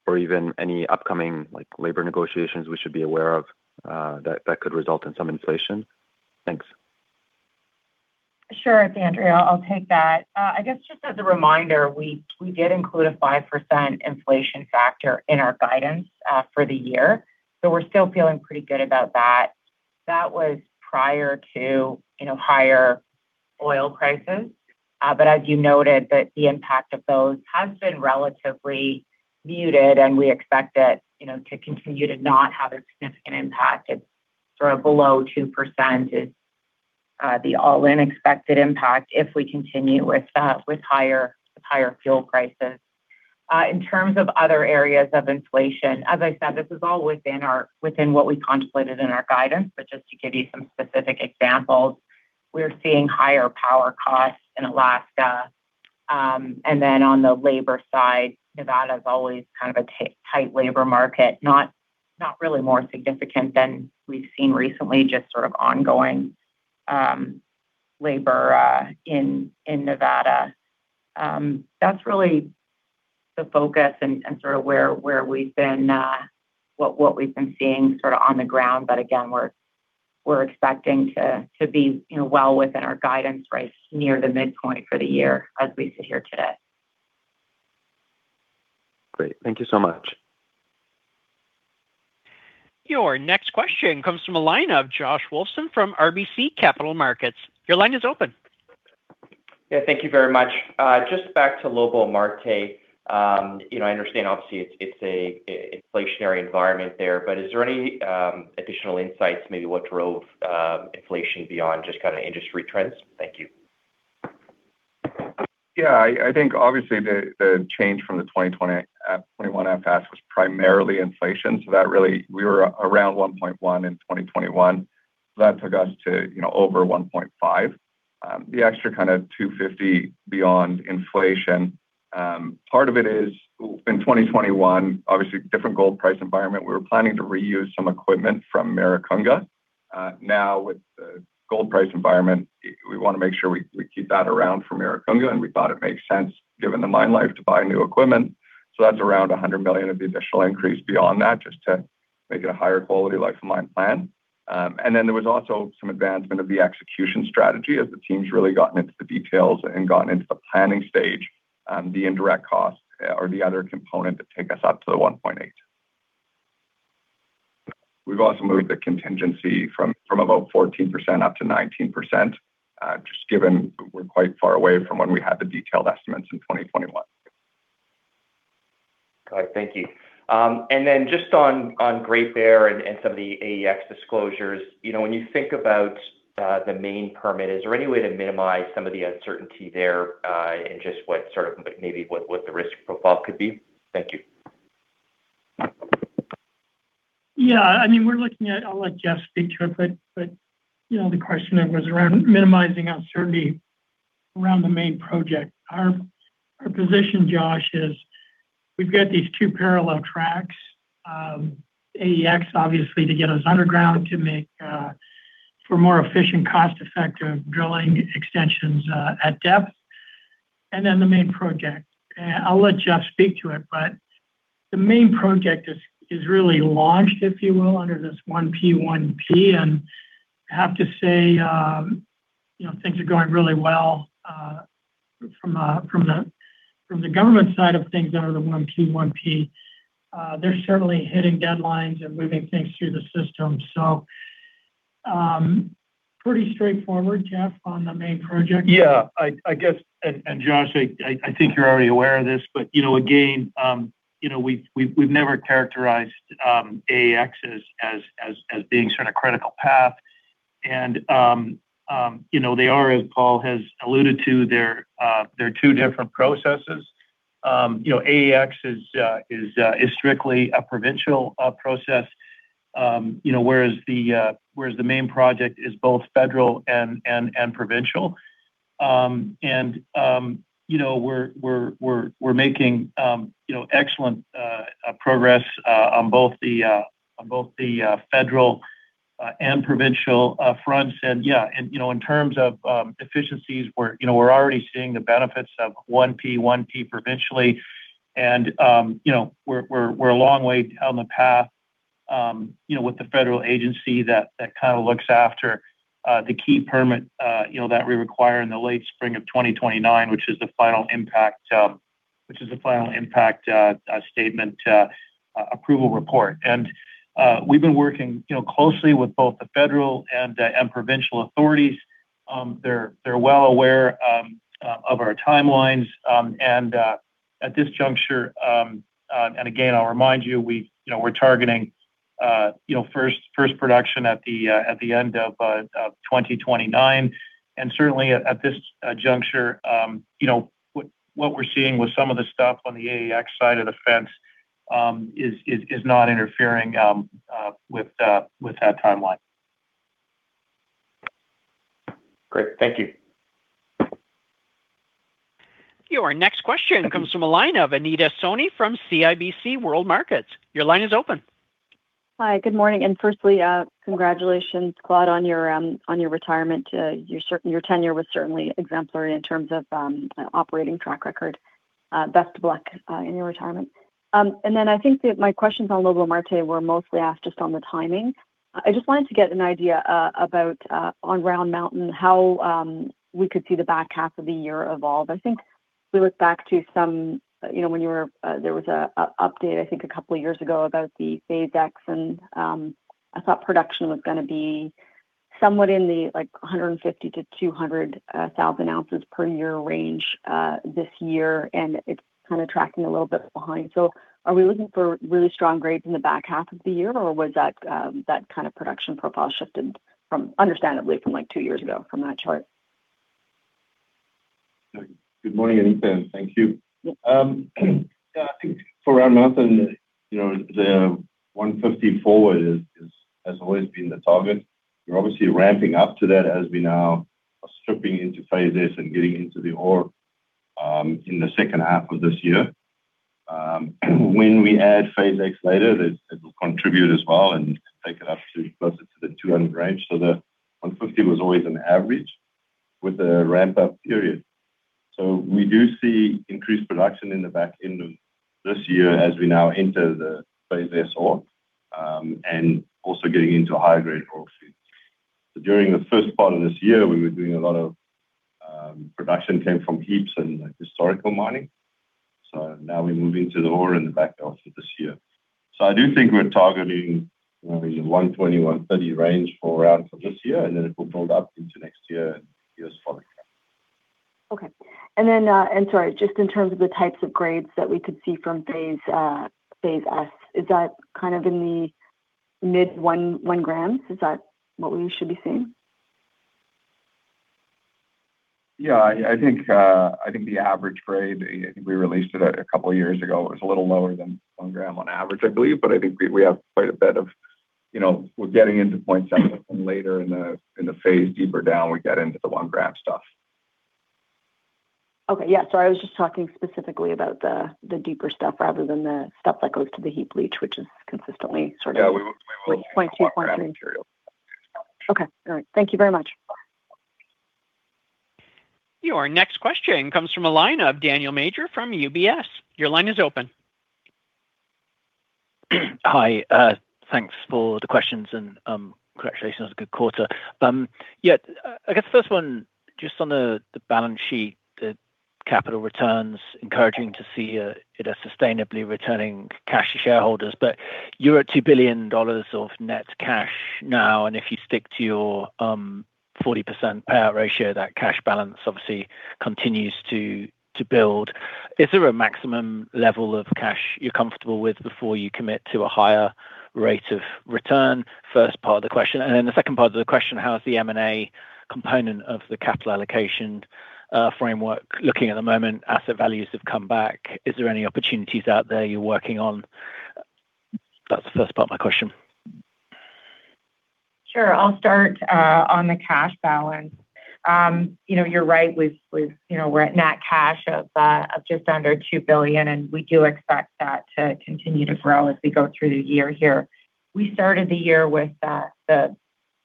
or even any upcoming labor negotiations we should be aware of that could result in some inflation? Thanks. Sure, Andrea, I'll take that. I guess just as a reminder, we did include a 5% inflation factor in our guidance for the year, so we're still feeling pretty good about that. That was prior to higher oil prices. As you noted, the impact of those has been relatively muted, and we expect it to continue to not have a significant impact. It's sort of below 2%, is the all-in expected impact if we continue with higher fuel prices. In terms of other areas of inflation, as I said, this is all within what we contemplated in our guidance. Just to give you some specific examples, we're seeing higher power costs in Alaska. On the labor side, Nevada's always kind of a tight labor market, not really more significant than we've seen recently, just sort of ongoing labor in Nevada. That's really the focus and sort of what we've been seeing sort of on the ground. Again, we're expecting to be well within our guidance right near the midpoint for the year as we sit here today. Great. Thank you so much. Your next question comes from the line of Josh Wolfson from RBC Capital Markets. Your line is open. Yeah, thank you very much. Just back to Lobo-Marte. I understand, obviously it's an inflationary environment there, but is there any additional insights, maybe what drove inflation beyond just kind of industry trends? Thank you. Yeah, I think obviously the change from the 2021 FS was primarily inflation. That really, we were around $1.1 billion in 2021. That took us to over $1.5 billion. The extra kind of $250 million beyond inflation. Part of it is in 2021, obviously, different gold price environment. We were planning to reuse some equipment from Maricunga. Now with the gold price environment, we want to make sure we keep that around for Maricunga, and we thought it made sense given the mine life, to buy new equipment. That's around $100 million of the additional increase beyond that, just to make it a higher quality life of mine plan. There was also some advancement of the execution strategy as the team's really gotten into the details and gotten into the planning stage. The indirect costs are the other component that take us up to the $1.8 billion. We've also moved the contingency from about 14% up to 19%, just given we're quite far away from when we had the detailed estimates in 2021. Got it. Thank you. Then just on Great Bear and some of the AEX disclosures. When you think about the main permit, is there any way to minimize some of the uncertainty there, and just maybe what the risk profile could be? Thank you. I'll let Geoff speak to it, the question was around minimizing uncertainty around the main project. Our position, Josh, is we've got these two parallel tracks. AEX, obviously, to get us underground to make for more efficient, cost-effective drilling extensions at depth, then the main project. I'll let Geoff speak to it, the main project is really launched, if you will, under this 1P1P, I have to say things are going really well from the government side of things that are the 1P1P. They're certainly hitting deadlines and moving things through the system. Pretty straightforward, Geoff, on the main project. Josh, I think you're already aware of this, again, we've never characterized AEX as being sort of critical path. They are, as Paul has alluded to, they're two different processes. AEX is strictly a provincial process, whereas the main project is both federal and provincial. We're making excellent progress on both the federal and provincial fronts. In terms of efficiencies, we're already seeing the benefits of 1P1P provincially, we're a long way down the path with the federal agency that kind of looks after the key permit that we require in the late spring of 2029, which is the final Impact Statement Approval Report. We've been working closely with both the federal and provincial authorities. They're well aware of our timelines. At this juncture, again, I'll remind you, we're targeting first production at the end of 2029. Certainly at this juncture, what we're seeing with some of the stuff on the AEX side of the fence is not interfering with that timeline. Great. Thank you. Your next question comes from the line of Anita Soni from CIBC World Markets. Your line is open. Hi, good morning, firstly, congratulations, Claude, on your retirement. Your tenure was certainly exemplary in terms of operating track record. Best of luck in your retirement. Then I think that my questions on Lobo-Marte were mostly asked just on the timing. I just wanted to get an idea about, on Round Mountain, how we could see the back half of the year evolve. I think we look back to when there was an update, I think, a couple of years ago about the Phase X, and I thought production was going to be somewhat in the 150,000-200,000 ounces per year range this year, and it's tracking a little bit behind. Are we looking for really strong grades in the back half of the year, or was that kind of production profile shifted, understandably, from two years ago from that chart? Good morning, Anita. Thank you. Yeah, I think for Round Mountain, the 150,000 ounces forward has always been the target. We're obviously ramping up to that as we now are stripping into Phase S and getting into the ore in the second half of this year. When we add Phase X later, it will contribute as well and take it up to closer to the 200,000 ounces range. The 150,000 ounces was always an average with a ramp-up period. We do see increased production in the back end of this year as we now enter the Phase S ore, and also getting into higher grade ore feeds. During the first part of this year, we were doing a lot of production came from heaps and historical mining. Now we move into the ore in the back half of this year. I do think we're targeting maybe 120,000, 130,000 ounces range for Round for this year, and then it will build up into next year and years following. Okay. Sorry, just in terms of the types of grades that we could see from Phase S, is that in the mid one grams? Is that what we should be seeing? Yeah, I think the average grade, I think we released it a couple of years ago. It was a little lower than one gram on average, I believe, but I think we're getting into 0.7, and later in the phase, deeper down, we get into the one gram stuff. Okay. Yeah, sorry, I was just talking specifically about the deeper stuff rather than the stuff that goes to the heap leach, which is consistently sort of. Yeah, we're looking at the one gram material. Okay. All right. Thank you very much. Your next question comes from the line of Daniel Major from UBS. Your line is open. Hi. Thanks for the questions and congratulations on a good quarter. I guess first one, just on the balance sheet, the capital returns, encouraging to see it as sustainably returning cash to shareholders, but you're at $2 billion of net cash now, and if you stick to your 40% payout ratio, that cash balance obviously continues to build. Is there a maximum level of cash you're comfortable with before you commit to a higher rate of return? First part of the question. The second part of the question, how is the M&A component of the capital allocation framework looking at the moment? Asset values have come back. Is there any opportunities out there you're working on? That's the first part of my question. Sure. I'll start on the cash balance. You're right. We're at net cash of just under $2 billion. We do expect that to continue to grow as we go through the year here. We started the year with the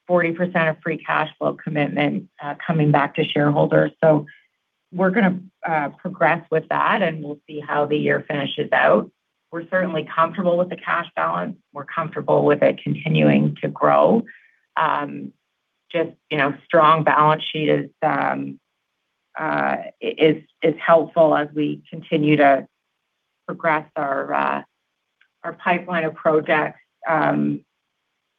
40% of free cash flow commitment coming back to shareholders. We're going to progress with that. We'll see how the year finishes out. We're certainly comfortable with the cash balance. We're comfortable with it continuing to grow. Just strong balance sheet is helpful as we continue to progress our pipeline of projects,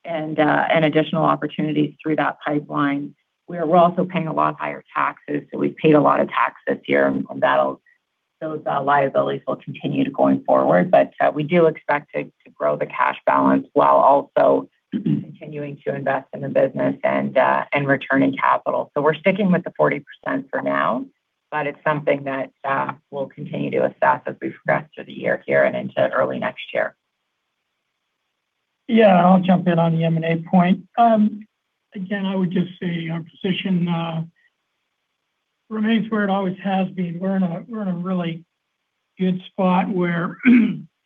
and additional opportunities through that pipeline. We're also paying a lot higher taxes. We've paid a lot of tax this year. Those liabilities will continue going forward. We do expect to grow the cash balance while also continuing to invest in the business and returning capital. We're sticking with the 40% for now. It's something that we'll continue to assess as we progress through the year here into early next year. I'll jump in on the M&A point. Again, I would just say our position remains where it always has been. We're in a really good spot where,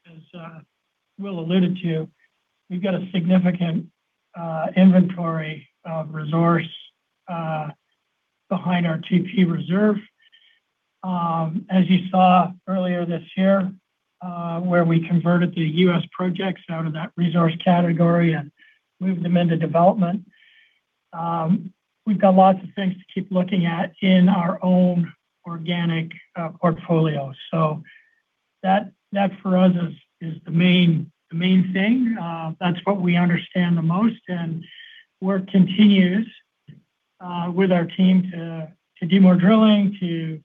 as Will alluded to, we've got a significant inventory of resource behind our P&P reserve. As you saw earlier this year, where we converted the U.S. projects out of that resource category moved them into development. We've got lots of things to keep looking at in our own organic portfolio. That, for us, is the main thing. That's what we understand the most. Work continues with our team to do more drilling, to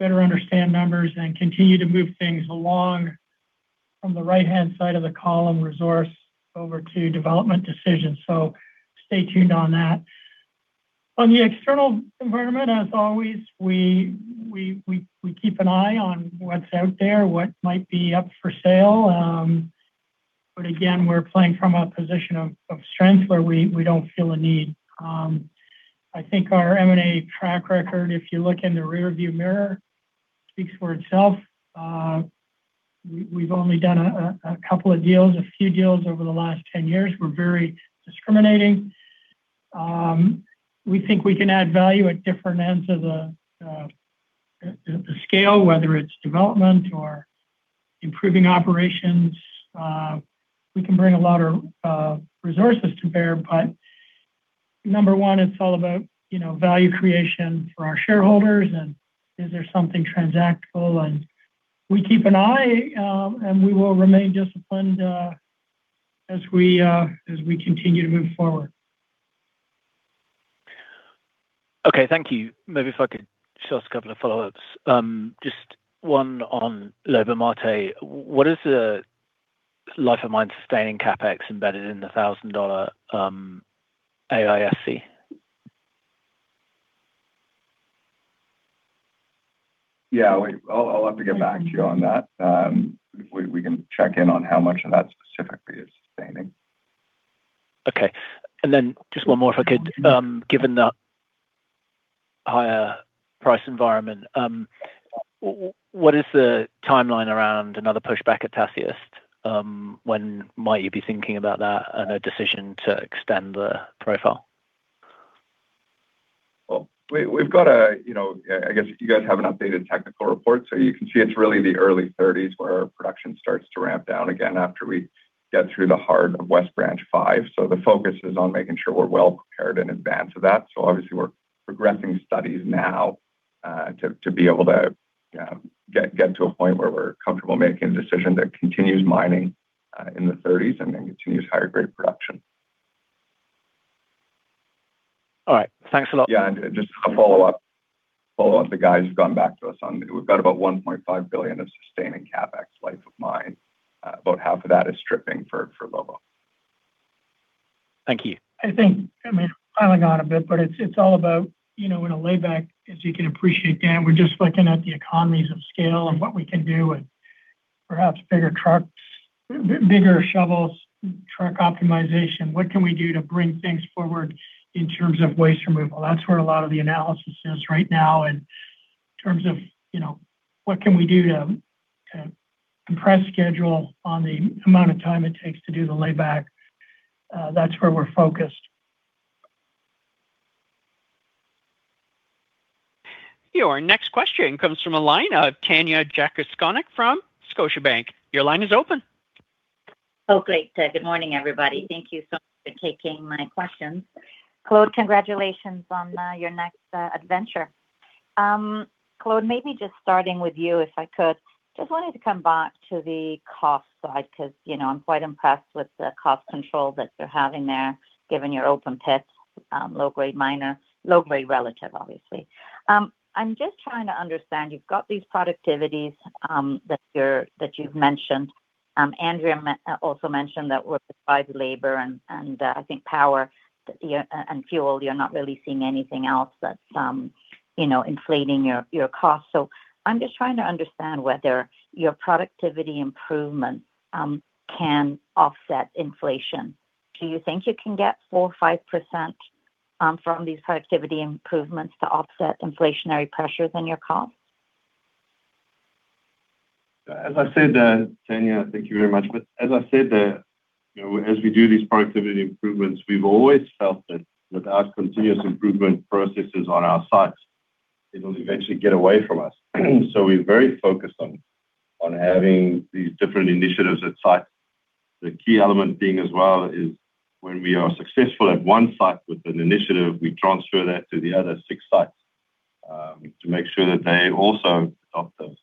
better understand numbers, to continue to move things along from the right-hand side of the column, resource, over to development decisions. Stay tuned on that. On the external environment, as always, we keep an eye on what's out there, what might be up for sale. Again, we're playing from a position of strength where we don't feel a need. I think our M&A track record, if you look in the rear view mirror, speaks for itself. We've only done a couple of deals, a few deals over the last 10 years. We're very discriminating. We think we can add value at different ends of the scale, whether it's development or improving operations. We can bring a lot of resources to bear. Number one, it's all about value creation for our shareholders, and is there something transactable? We keep an eye, and we will remain disciplined as we continue to move forward. Okay. Thank you. Maybe if I could just ask a couple of follow-ups. Just one on Lobo-Marte. What is the life of mine sustaining CapEx embedded in the $1,000 AISC? Yeah. I'll have to get back to you on that. We can check in on how much of that specifically is sustaining. Okay. Just one more if I could. Given the higher price environment, what is the timeline around another pushback at Tasiast? When might you be thinking about that and a decision to extend the profile? Well, I guess you guys have an updated technical report. You can see it's really the early 2030s where our production starts to ramp down again after we get through the heart of West Branch 5. The focus is on making sure we're well-prepared in advance of that. Obviously, we're progressing studies now to be able to get to a point where we're comfortable making a decision that continues mining in the 2030s and then continues higher grade production. All right. Thanks a lot. Yeah, just a follow-up. The guys have gotten back to us on, we've got about $1.5 billion of sustaining CapEx life of mine. About half of that is stripping for Lobo. Thank you. I think, piling on a bit, but it's all about in a layback, as you can appreciate, Dan, we're just looking at the economies of scale and what we can do with perhaps bigger trucks, bigger shovels, truck optimization. What can we do to bring things forward in terms of waste removal? That's where a lot of the analysis is right now. In terms of what can we do to compress schedule on the amount of time it takes to do the layback. That's where we're focused. Your next question comes from a line of Tanya Jakusconek from Scotiabank. Your line is open. Oh, great. Good morning, everybody. Thank you so much for taking my questions. Claude, congratulations on your next adventure. Claude, maybe just starting with you, if I could. Just wanted to come back to the cost side because I'm quite impressed with the cost control that you're having there, given your open pits, low-grade miner, low-grade relative, obviously. I'm just trying to understand, you've got these productivities that you've mentioned. Andrea also mentioned that we're despite labor and I think power and fuel, you're not really seeing anything else that's inflating your cost. I'm just trying to understand whether your productivity improvement can offset inflation. Do you think you can get 4%, 5% from these productivity improvements to offset inflationary pressures on your cost? Tanya, thank you very much. As I said, as we do these productivity improvements, we've always felt that without continuous improvement processes on our sites, it'll eventually get away from us. We're very focused on having these different initiatives at site. The key element being as well is when we are successful at one site with an initiative, we transfer that to the other six sites to make sure that they also adopt those.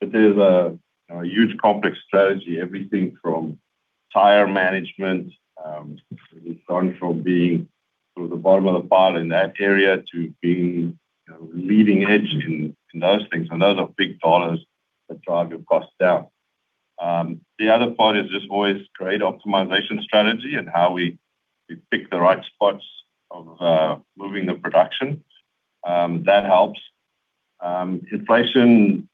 There's a huge complex strategy, everything from tire management. We've gone from being sort of the bottom of the pile in that area to being leading edge in those things. Those are big dollars that drive your costs down. The other part is just always great optimization strategy and how we pick the right spots of moving the production. That helps. Inflation,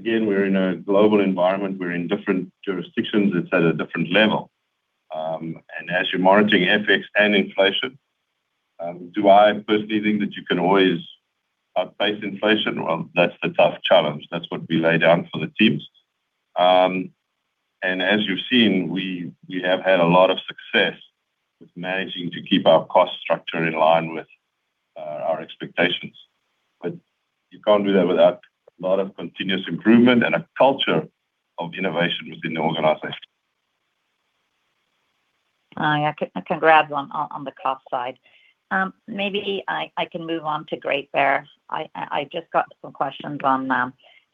again, we're in a global environment. We're in different jurisdictions. It's at a different level. As you're monitoring FX and inflation, do I personally think that you can always outpace inflation? That's the tough challenge. That's what we lay down for the teams. As you've seen, we have had a lot of success with managing to keep our cost structure in line with our expectations. You can't do that without a lot of continuous improvement and a culture of innovation within the organization. I congrats on the cost side. Maybe I can move on to Great Bear. I just got some questions on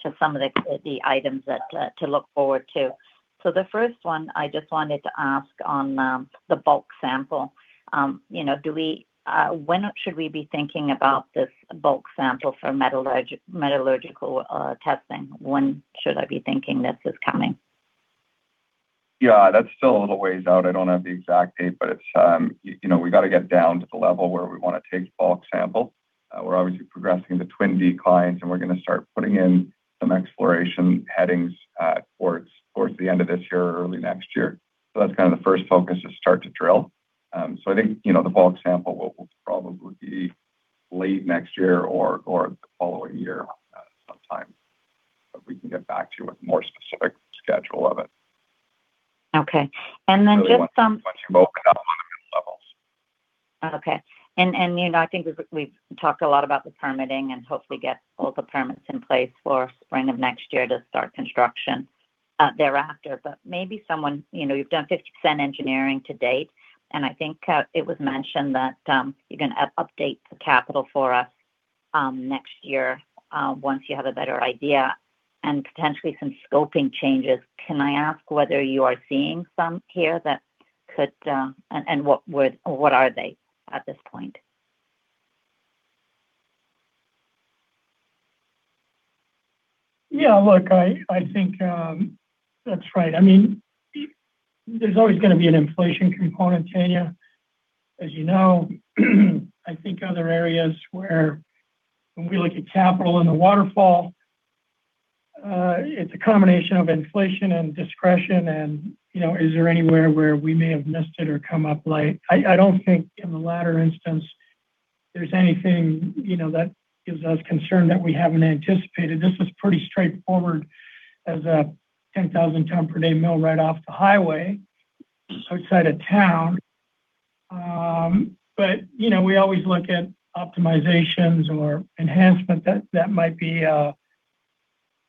to some of the items to look forward to. The first one I just wanted to ask on the bulk sample. When should we be thinking about this bulk sample for metallurgical testing? When should I be thinking this is coming? That's still a little ways out. I don't have the exact date, we've got to get down to the level where we want to take bulk sample. We're obviously progressing the twin declines, we're going to start putting in some exploration headings towards the end of this year or early next year. That's the first focus, to start to drill. I think, the bulk sample will probably be late next year or the following year sometime. We can get back to you with a more specific schedule of it. Okay. Just some. Once you've opened up on the different levels. Okay. I think we've talked a lot about the permitting and hopefully get all the permits in place for spring of next year to start construction thereafter. Maybe someone, you've done 50% engineering to date, and I think it was mentioned that you're going to update the capital for us, next year, once you have a better idea and potentially some scoping changes. Can I ask whether you are seeing some here that could, and what are they at this point? Yeah, look, I think that's right. There's always going to be an inflation component, Tanya, as you know. I think other areas where when we look at capital in the waterfall, it's a combination of inflation and discretion, is there anywhere where we may have missed it or come up late? I don't think in the latter instance there's anything that gives us concern that we haven't anticipated. This was pretty straightforward as a 10,000 ton per day mill right off the highway outside of town. We always look at optimizations or enhancement that might be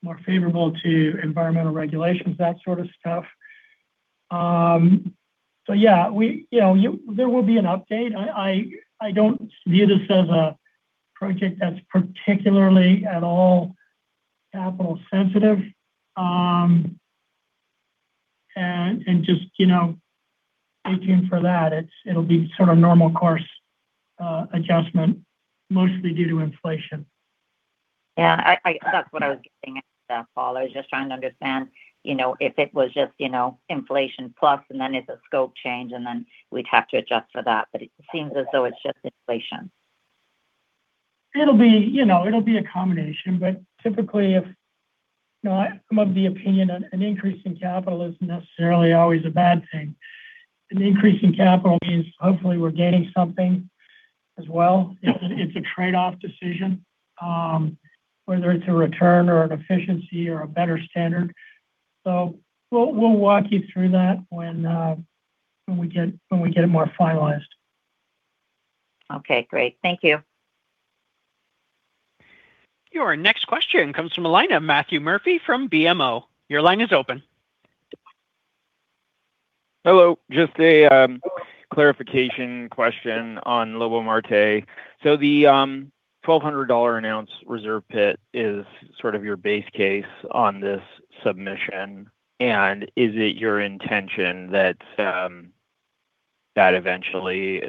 more favorable to environmental regulations, that sort of stuff. Yeah. There will be an update. I don't view this as a project that's particularly at all capital sensitive. Just looking for that. It'll be normal course adjustment mostly due to inflation. Yeah, that's what I was getting at, Paul. I was just trying to understand, if it was just inflation plus and then it's a scope change, and then we'd have to adjust for that, it seems as though it's just inflation. It'll be a combination, typically, I'm of the opinion an increase in capital isn't necessarily always a bad thing. An increase in capital means hopefully we're gaining something as well. It's a trade-off decision, whether it's a return or an efficiency or a better standard. We'll walk you through that when we get it more finalized. Okay, great. Thank you. Your next question comes from the line of Matthew Murphy from BMO. Your line is open. Hello. Just a clarification question on Lobo-Marte. The $1,200 an ounce reserve pit is sort of your base case on this submission, is it your intention that eventually,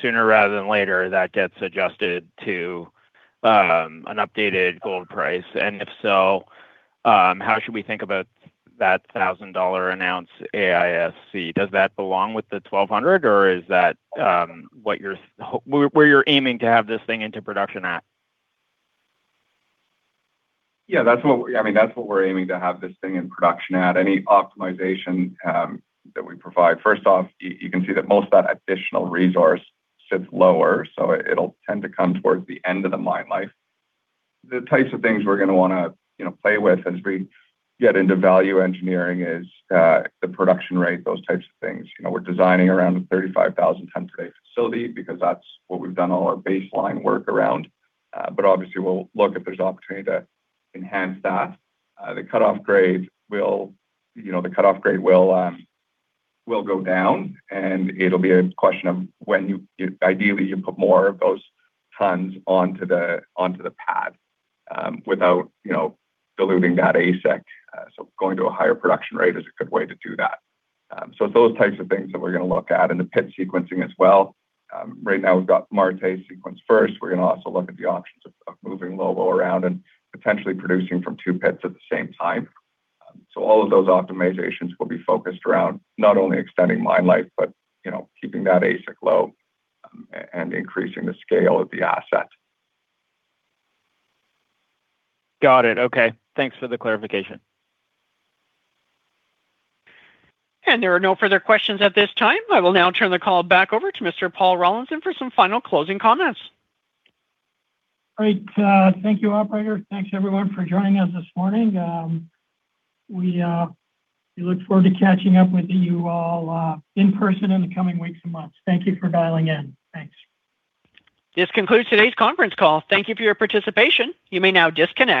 sooner rather than later, that gets adjusted to an updated gold price? If so, how should we think about that $1,000 an ounce AISC? Does that belong with the $1,200, or is that where you're aiming to have this thing into production at? Yeah, that's what we're aiming to have this thing in production at. Any optimization that we provide. First off, you can see that most of that additional resource sits lower, so it'll tend to come towards the end of the mine life. The types of things we're going to want to play with as we get into value engineering is the production rate, those types of things. We're designing around a 35,000 ton today facility because that's what we've done all our baseline work around. Obviously we'll look if there's opportunity to enhance that. The cutoff grade will go down, and it'll be a question of when you, ideally, you put more of those tons onto the pad, without diluting that AISC. Going to a higher production rate is a good way to do that. It's those types of things that we're going to look at, and the pit sequencing as well. Right now we've got Marte sequenced first. We're going to also look at the options of moving Lobo around and potentially producing from two pits at the same time. All of those optimizations will be focused around not only extending mine life, but keeping that AISC low, and increasing the scale of the asset. Got it. Okay. Thanks for the clarification. There are no further questions at this time. I will now turn the call back over to Mr. Paul Rollinson for some final closing comments. Great. Thank you, operator. Thanks everyone for joining us this morning. We look forward to catching up with you all in person in the coming weeks and months. Thank you for dialing in. Thanks. This concludes today's conference call. Thank you for your participation. You may now disconnect.